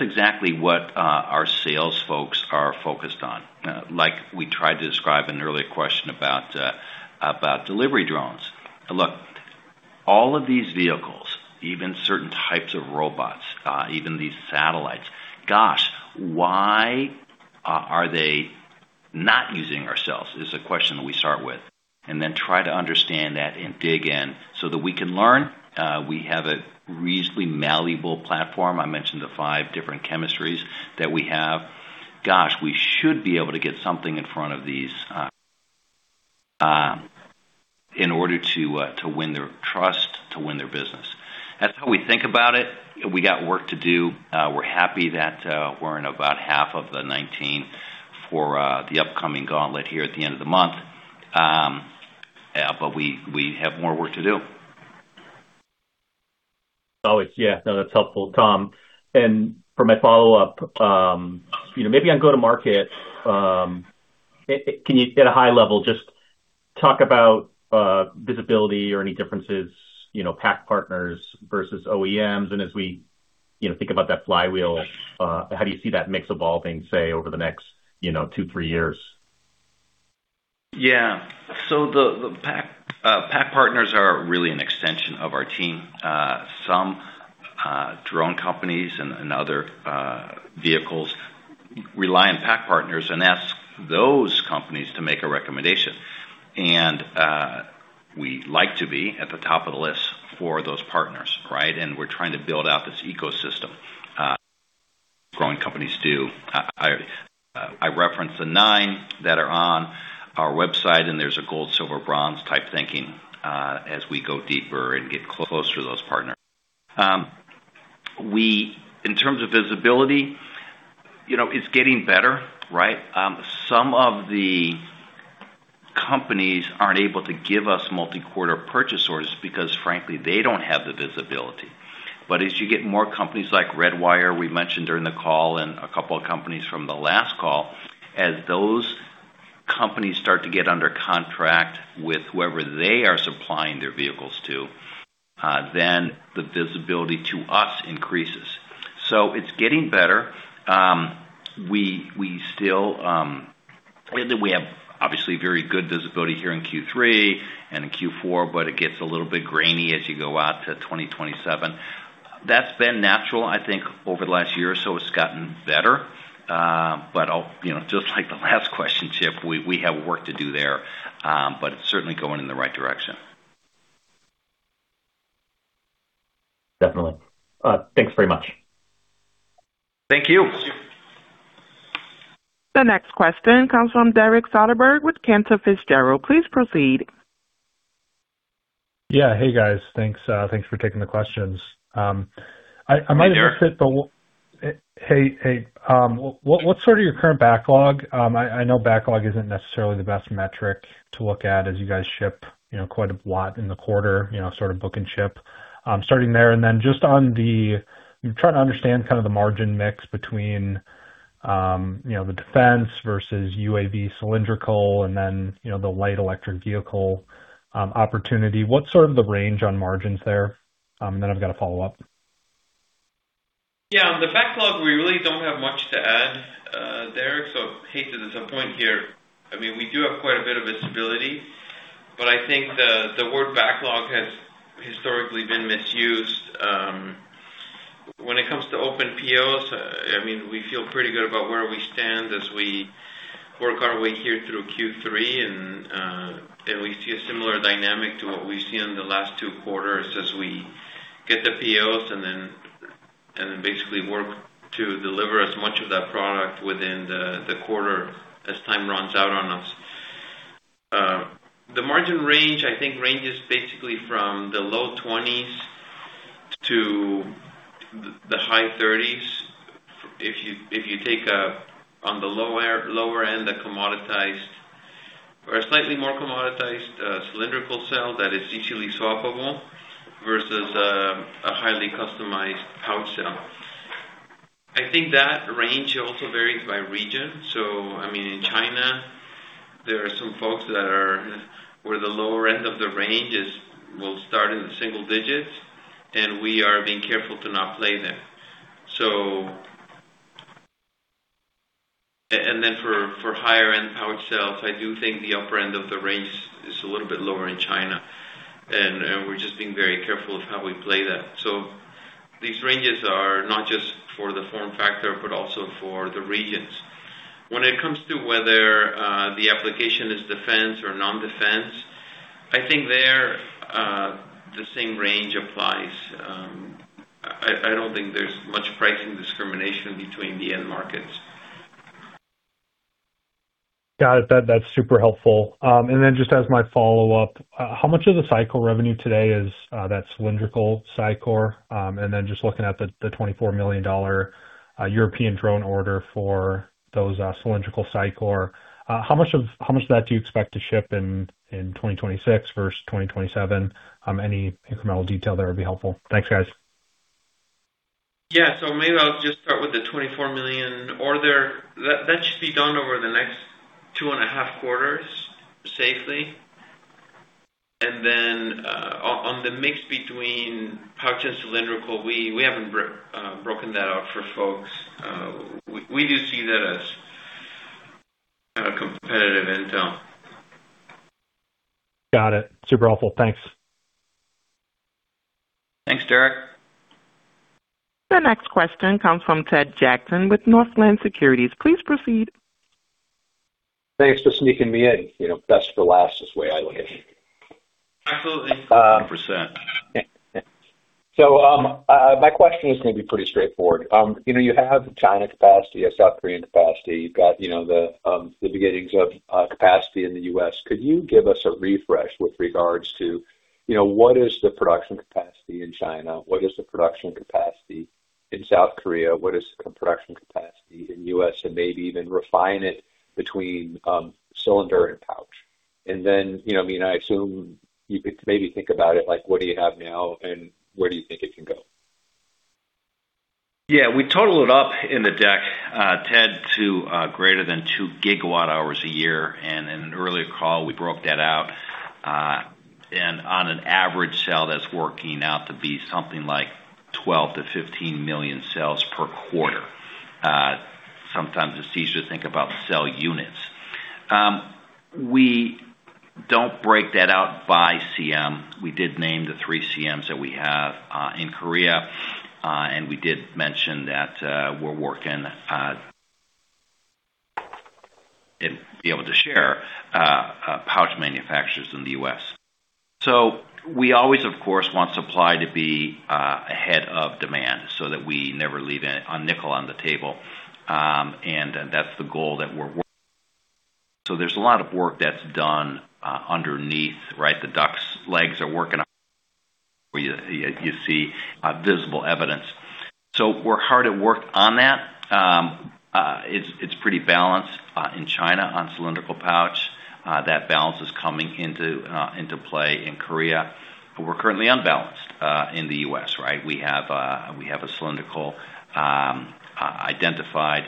S2: exactly what our sales folks are focused on. Like we tried to describe in an earlier question about delivery drones. Look, all of these vehicles, even certain types of robots, even these satellites, gosh, why are they not using our cells, is a question that we start with. Try to understand that and dig in so that we can learn. We have a reasonably malleable platform. I mentioned the five different chemistries that we have. Gosh, we should be able to get something in front of these in order to win their trust, to win their business. That's how we think about it. We got work to do. We're happy that we're in about half of the 19 for the upcoming gauntlet here at the end of the month. We have more work to do.
S10: Always. Yeah. No, that's helpful, Tom. For my follow-up, maybe on go-to-market, can you at a high level just talk about visibility or any differences, pack partners versus OEMs, and as we think about that flywheel, how do you see that mix evolving, say, over the next two, three years?
S2: Yeah. The pack partners are really an extension of our team. Some drone companies and other vehicles rely on pack partners and ask those companies to make a recommendation. We like to be at the top of the list for those partners, right? We're trying to build out this ecosystem, growing companies do. I referenced the nine that are on our website, and there's a gold, silver, bronze type thinking as we go deeper and get closer to those partners. In terms of visibility, it's getting better, right? Some of the companies aren't able to give us multi-quarter purchase orders because frankly, they don't have the visibility. As you get more companies like Redwire, we mentioned during the call, and a couple of companies from the last call, as those companies start to get under contract with whoever they are supplying their vehicles to, then the visibility to us increases.
S3: It's getting better. We have obviously very good visibility here in Q3 and in Q4, but it gets a little bit grainy as you go out to 2027. That's been natural, I think, over the last year or so, it's gotten better. Just like the last question, Chip, we have work to do there, but it's certainly going in the right direction.
S10: Definitely. Thanks very much.
S3: Thank you.
S1: The next question comes from Derek Soderberg with Cantor Fitzgerald. Please proceed.
S11: Yeah. Hey, guys. Thanks for taking the questions.
S3: Hey, Derek.
S11: Hey. What's sort of your current backlog? I know backlog isn't necessarily the best metric to look at as you guys ship quite a lot in the quarter, sort of book and ship. I'm trying to understand kind of the margin mix between the defense versus UAV cylindrical and then the light electric vehicle opportunity. What's sort of the range on margins there? I've got a follow-up.
S3: Yeah. On the backlog, we really don't have much to add there. Hate to disappoint here. We do have quite a bit of visibility, but I think the word backlog has historically been misused. When it comes to open POs, we feel pretty good about where we stand as we work our way here through Q3, and we see a similar dynamic to what we've seen in the last two quarters as we get the POs and then basically work to deliver as much of that product within the quarter as time runs out on us. The margin range, I think, ranges basically from the low 20s to the high 30s. If you take on the lower end, a commoditized or a slightly more commoditized cylindrical cell that is easily swappable versus a highly customized pouch cell. I think that range also varies by region. In China, there are some folks that are where the lower end of the range will start in the single digits, and we are being careful to not play there. For higher-end pouch cells, I do think the upper end of the range is a little bit lower in China, and we're just being very careful of how we play that. These ranges are not just for the form factor, but also for the regions. When it comes to whether the application is defense or non-defense, I think there the same range applies. I don't think there's much pricing discrimination between the end markets.
S11: Got it. That's super helpful. Just as my follow-up, how much of the SiCore revenue today is that cylindrical SiCore? Just looking at the $24 million European drone order for those cylindrical SiCore. How much of that do you expect to ship in 2026 versus 2027? Any incremental detail there would be helpful. Thanks, guys.
S3: Yeah. Maybe I'll just start with the $24 million order. That should be done over the next two and a half quarters safely. On the mix between pouch and cylindrical, we haven't broken that out for folks. We do see that as kind of competitive intel.
S11: Got it. Super helpful. Thanks.
S3: Thanks, Derek.
S1: The next question comes from Ted Jackson with Northland Securities. Please proceed.
S12: Thanks for sneaking me in. Best for last is the way I look at it.
S3: Absolutely.
S2: 100%.
S12: My question is going to be pretty straightforward. You have China capacity, South Korean capacity. You have the beginnings of capacity in the U.S. Could you give us a refresh with regards to what is the production capacity in China? What is the production capacity in South Korea? What is the production capacity in U.S.? Maybe even refine it between cylinder and pouch. I assume you could maybe think about it like, what do you have now, and where do you think it can go?
S3: We total it up in the deck, Ted Jackson, to greater than two gigawatt hours a year. In an earlier call, we broke that out, and on an average cell, that is working out to be something like 12 million to 15 million cells per quarter. Sometimes it is easier to think about cell units. We do not break that out by CM. We did name the three CMs that we have in Korea. We did mention that we are working and be able to share pouch manufacturers in the U.S. We always, of course, want supply to be ahead of demand so that we never leave a nickel on the table. That is the goal that we are working. There is a lot of work that is done underneath, right? The duck's legs are working where you see visible evidence. We are hard at work on that. It is pretty balanced in China on cylindrical pouch. That balance is coming into play in Korea. We are currently unbalanced in the U.S., right? We have a cylindrical identified.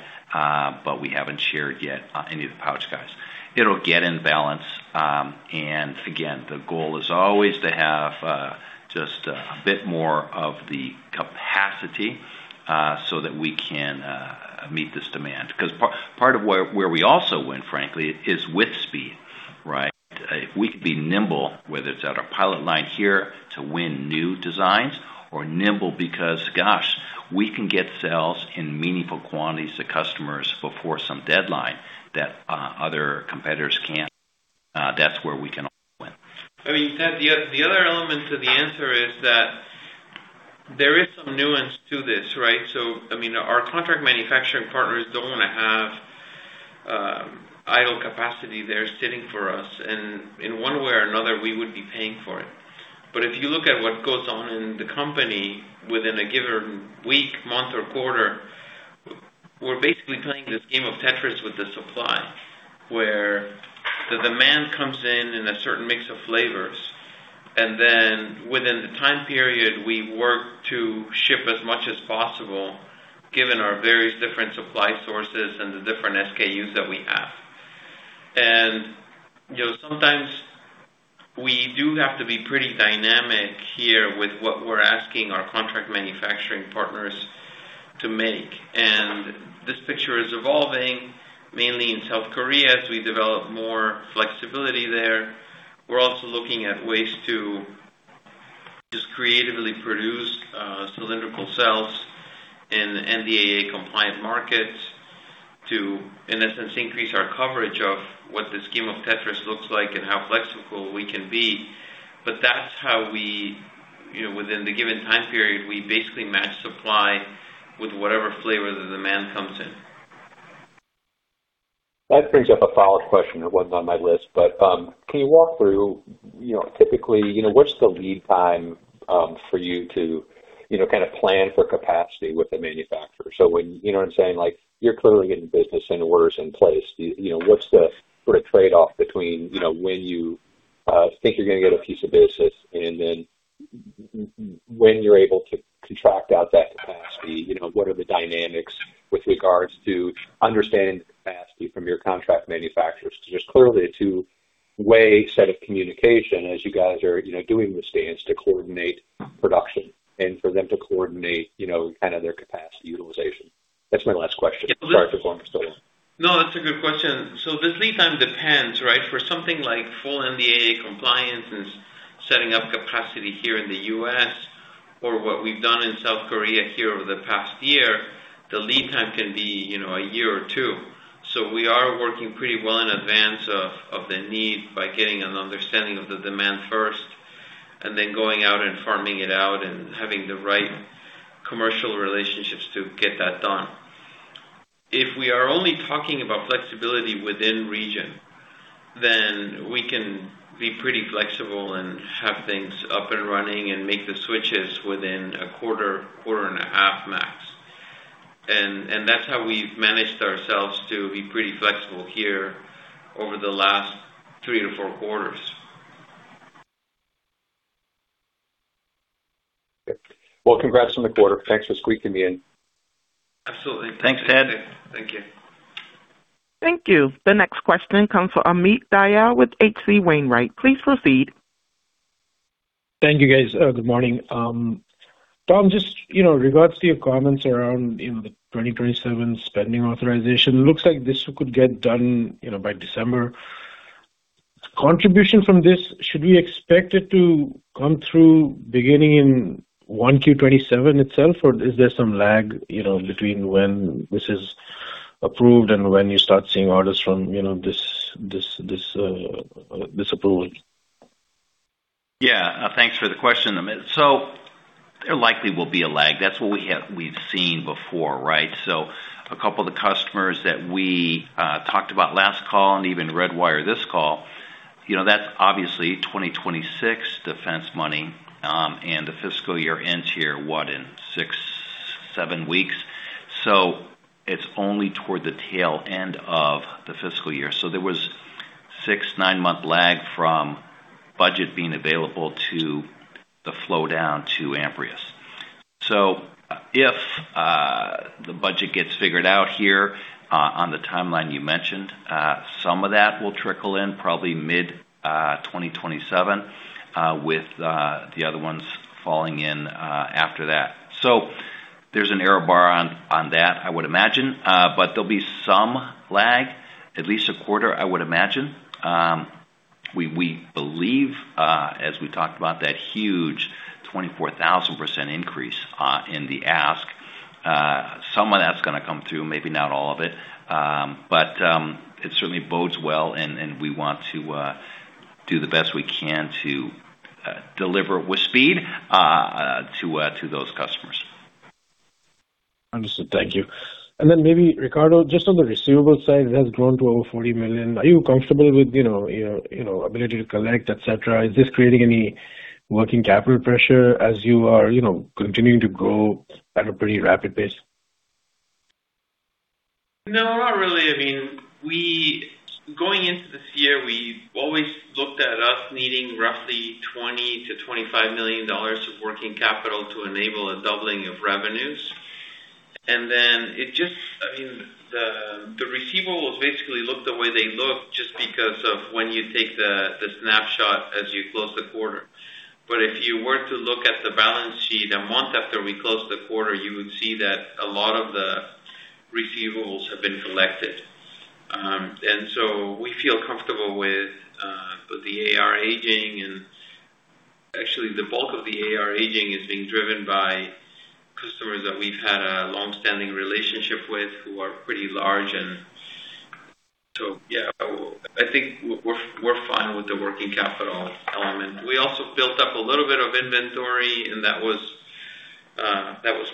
S3: We have not shared yet any of the pouch guys. It will get in balance. Again, the goal is always to have just a bit more of the capacity so that we can meet this demand. Part of where we also win, frankly, is with speed. If we could be nimble, whether it is at our pilot line here to win new designs or nimble because, gosh, we can get cells in meaningful quantities to customers before some deadline that other competitors cannot, that is where we can also win. The other element to the answer is that there is some nuance to this, right? Our contract manufacturing partners don't want to have idle capacity there sitting for us, and in one way or another, we would be paying for it. If you look at what goes on in the company within a given week, month, or quarter, we're basically playing this game of Tetris with the supply, where the demand comes in in a certain mix of flavors, and then within the time period, we work to ship as much as possible, given our various different supply sources and the different SKUs that we have. Sometimes we do have to be pretty dynamic here with what we're asking our contract manufacturing partners to make. This picture is evolving mainly in South Korea, as we develop more flexibility there. We're also looking at ways to just creatively produce cylindrical cells in NDAA-compliant markets to, in essence, increase our coverage of what this game of Tetris looks like and how flexible we can be. That's how we, within the given time period, we basically match supply with whatever flavor the demand comes in.
S12: That brings up a follow-up question that wasn't on my list, but can you walk through typically, what's the lead time for you to plan for capacity with the manufacturer? You know what I'm saying? You're clearly getting business and orders in place. What's the trade-off between when you think you're going to get a piece of business and then when you're able to contract out that capacity, what are the dynamics with regards to understanding the capacity from your contract manufacturers? There's clearly a two-way set of communication as you guys are doing this dance to coordinate production and for them to coordinate their capacity utilization. That's my last question. Sorry for going so long.
S3: No, that's a good question. This lead time depends. For something like full NDAA compliance and setting up capacity here in the U.S. or what we've done in South Korea here over the past year, the lead time can be a year or two. We are working pretty well in advance of the need by getting an understanding of the demand first and then going out and farming it out and having the right commercial relationships to get that done. If we are only talking about flexibility within region, then we can be pretty flexible and have things up and running and make the switches within a quarter and a half max. That's how we've managed ourselves to be pretty flexible here over the last three to four quarters.
S12: Well, congrats on the quarter. Thanks for squeezing me in.
S3: Absolutely.
S2: Thanks, Ted.
S3: Thank you.
S1: Thank you. The next question comes from Amit Dayal with H.C. Wainwright. Please proceed.
S13: Thank you, guys. Good morning. Tom, just regards to your comments around the 2027 spending authorization, looks like this could get done by December. Contribution from this, should we expect it to come through beginning in 1Q 2027 itself, or is there some lag between when this is approved and when you start seeing orders from this approval?
S2: Yeah. Thanks for the question. There likely will be a lag. That's what we've seen before, right? A couple of the customers that we talked about last call and even Redwire this call, that's obviously 2026 defense money, and the fiscal year ends here, what, in six, seven weeks. It's only toward the tail end of the fiscal year. There was six, nine-month lag from budget being available to the flow down to Amprius. If the budget gets figured out here on the timeline you mentioned, some of that will trickle in probably mid 2027, with the other ones falling in after that. There's an error bar on that, I would imagine, but there'll be some lag, at least a quarter, I would imagine. We believe as we talked about that huge 24,000% increase in the ask, some of that's gonna come through, maybe not all of it. It certainly bodes well and we want to do the best we can to deliver with speed to those customers.
S13: Understood. Thank you. Maybe Ricardo, just on the receivable side, it has grown to over $40 million. Are you comfortable with your ability to collect, et cetera? Is this creating any working capital pressure as you are continuing to grow at a pretty rapid pace?
S3: No, not really. Going into this year, we always looked at us needing roughly $20 million-$25 million of working capital to enable a doubling of revenues. The receivables basically look the way they look just because of when you take the snapshot as you close the quarter. If you were to look at the balance sheet a month after we closed the quarter, you would see that a lot of the receivables have been collected. We feel comfortable with the AR aging and actually the bulk of the AR aging is being driven by customers that we've had a long-standing relationship with who are pretty large. Yeah, I think we're fine with the working capital element. We also built up a little bit of inventory and that was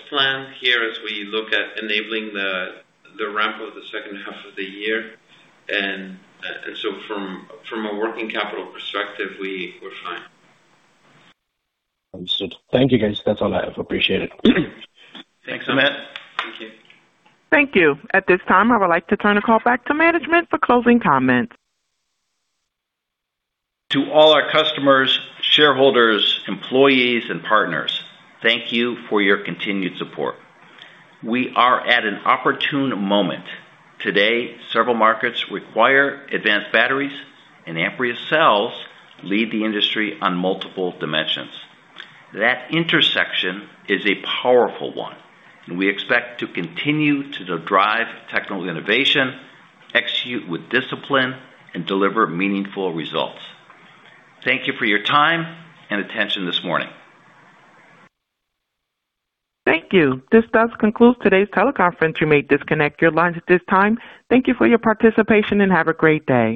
S3: planned here as we look at enabling the ramp of the second half of the year. From a working capital perspective, we're fine.
S13: Understood. Thank you, guys. That's all I have. Appreciate it.
S3: Thanks, Amit.
S2: Thank you.
S1: Thank you. At this time, I would like to turn the call back to management for closing comments.
S3: To all our customers, shareholders, employees, and partners, thank you for your continued support. We are at an opportune moment. Today, several markets require advanced batteries, and Amprius cells lead the industry on multiple dimensions. That intersection is a powerful one, and we expect to continue to drive technical innovation, execute with discipline, and deliver meaningful results. Thank you for your time and attention this morning.
S1: Thank you. This does conclude today's teleconference. You may disconnect your lines at this time. Thank you for your participation, and have a great day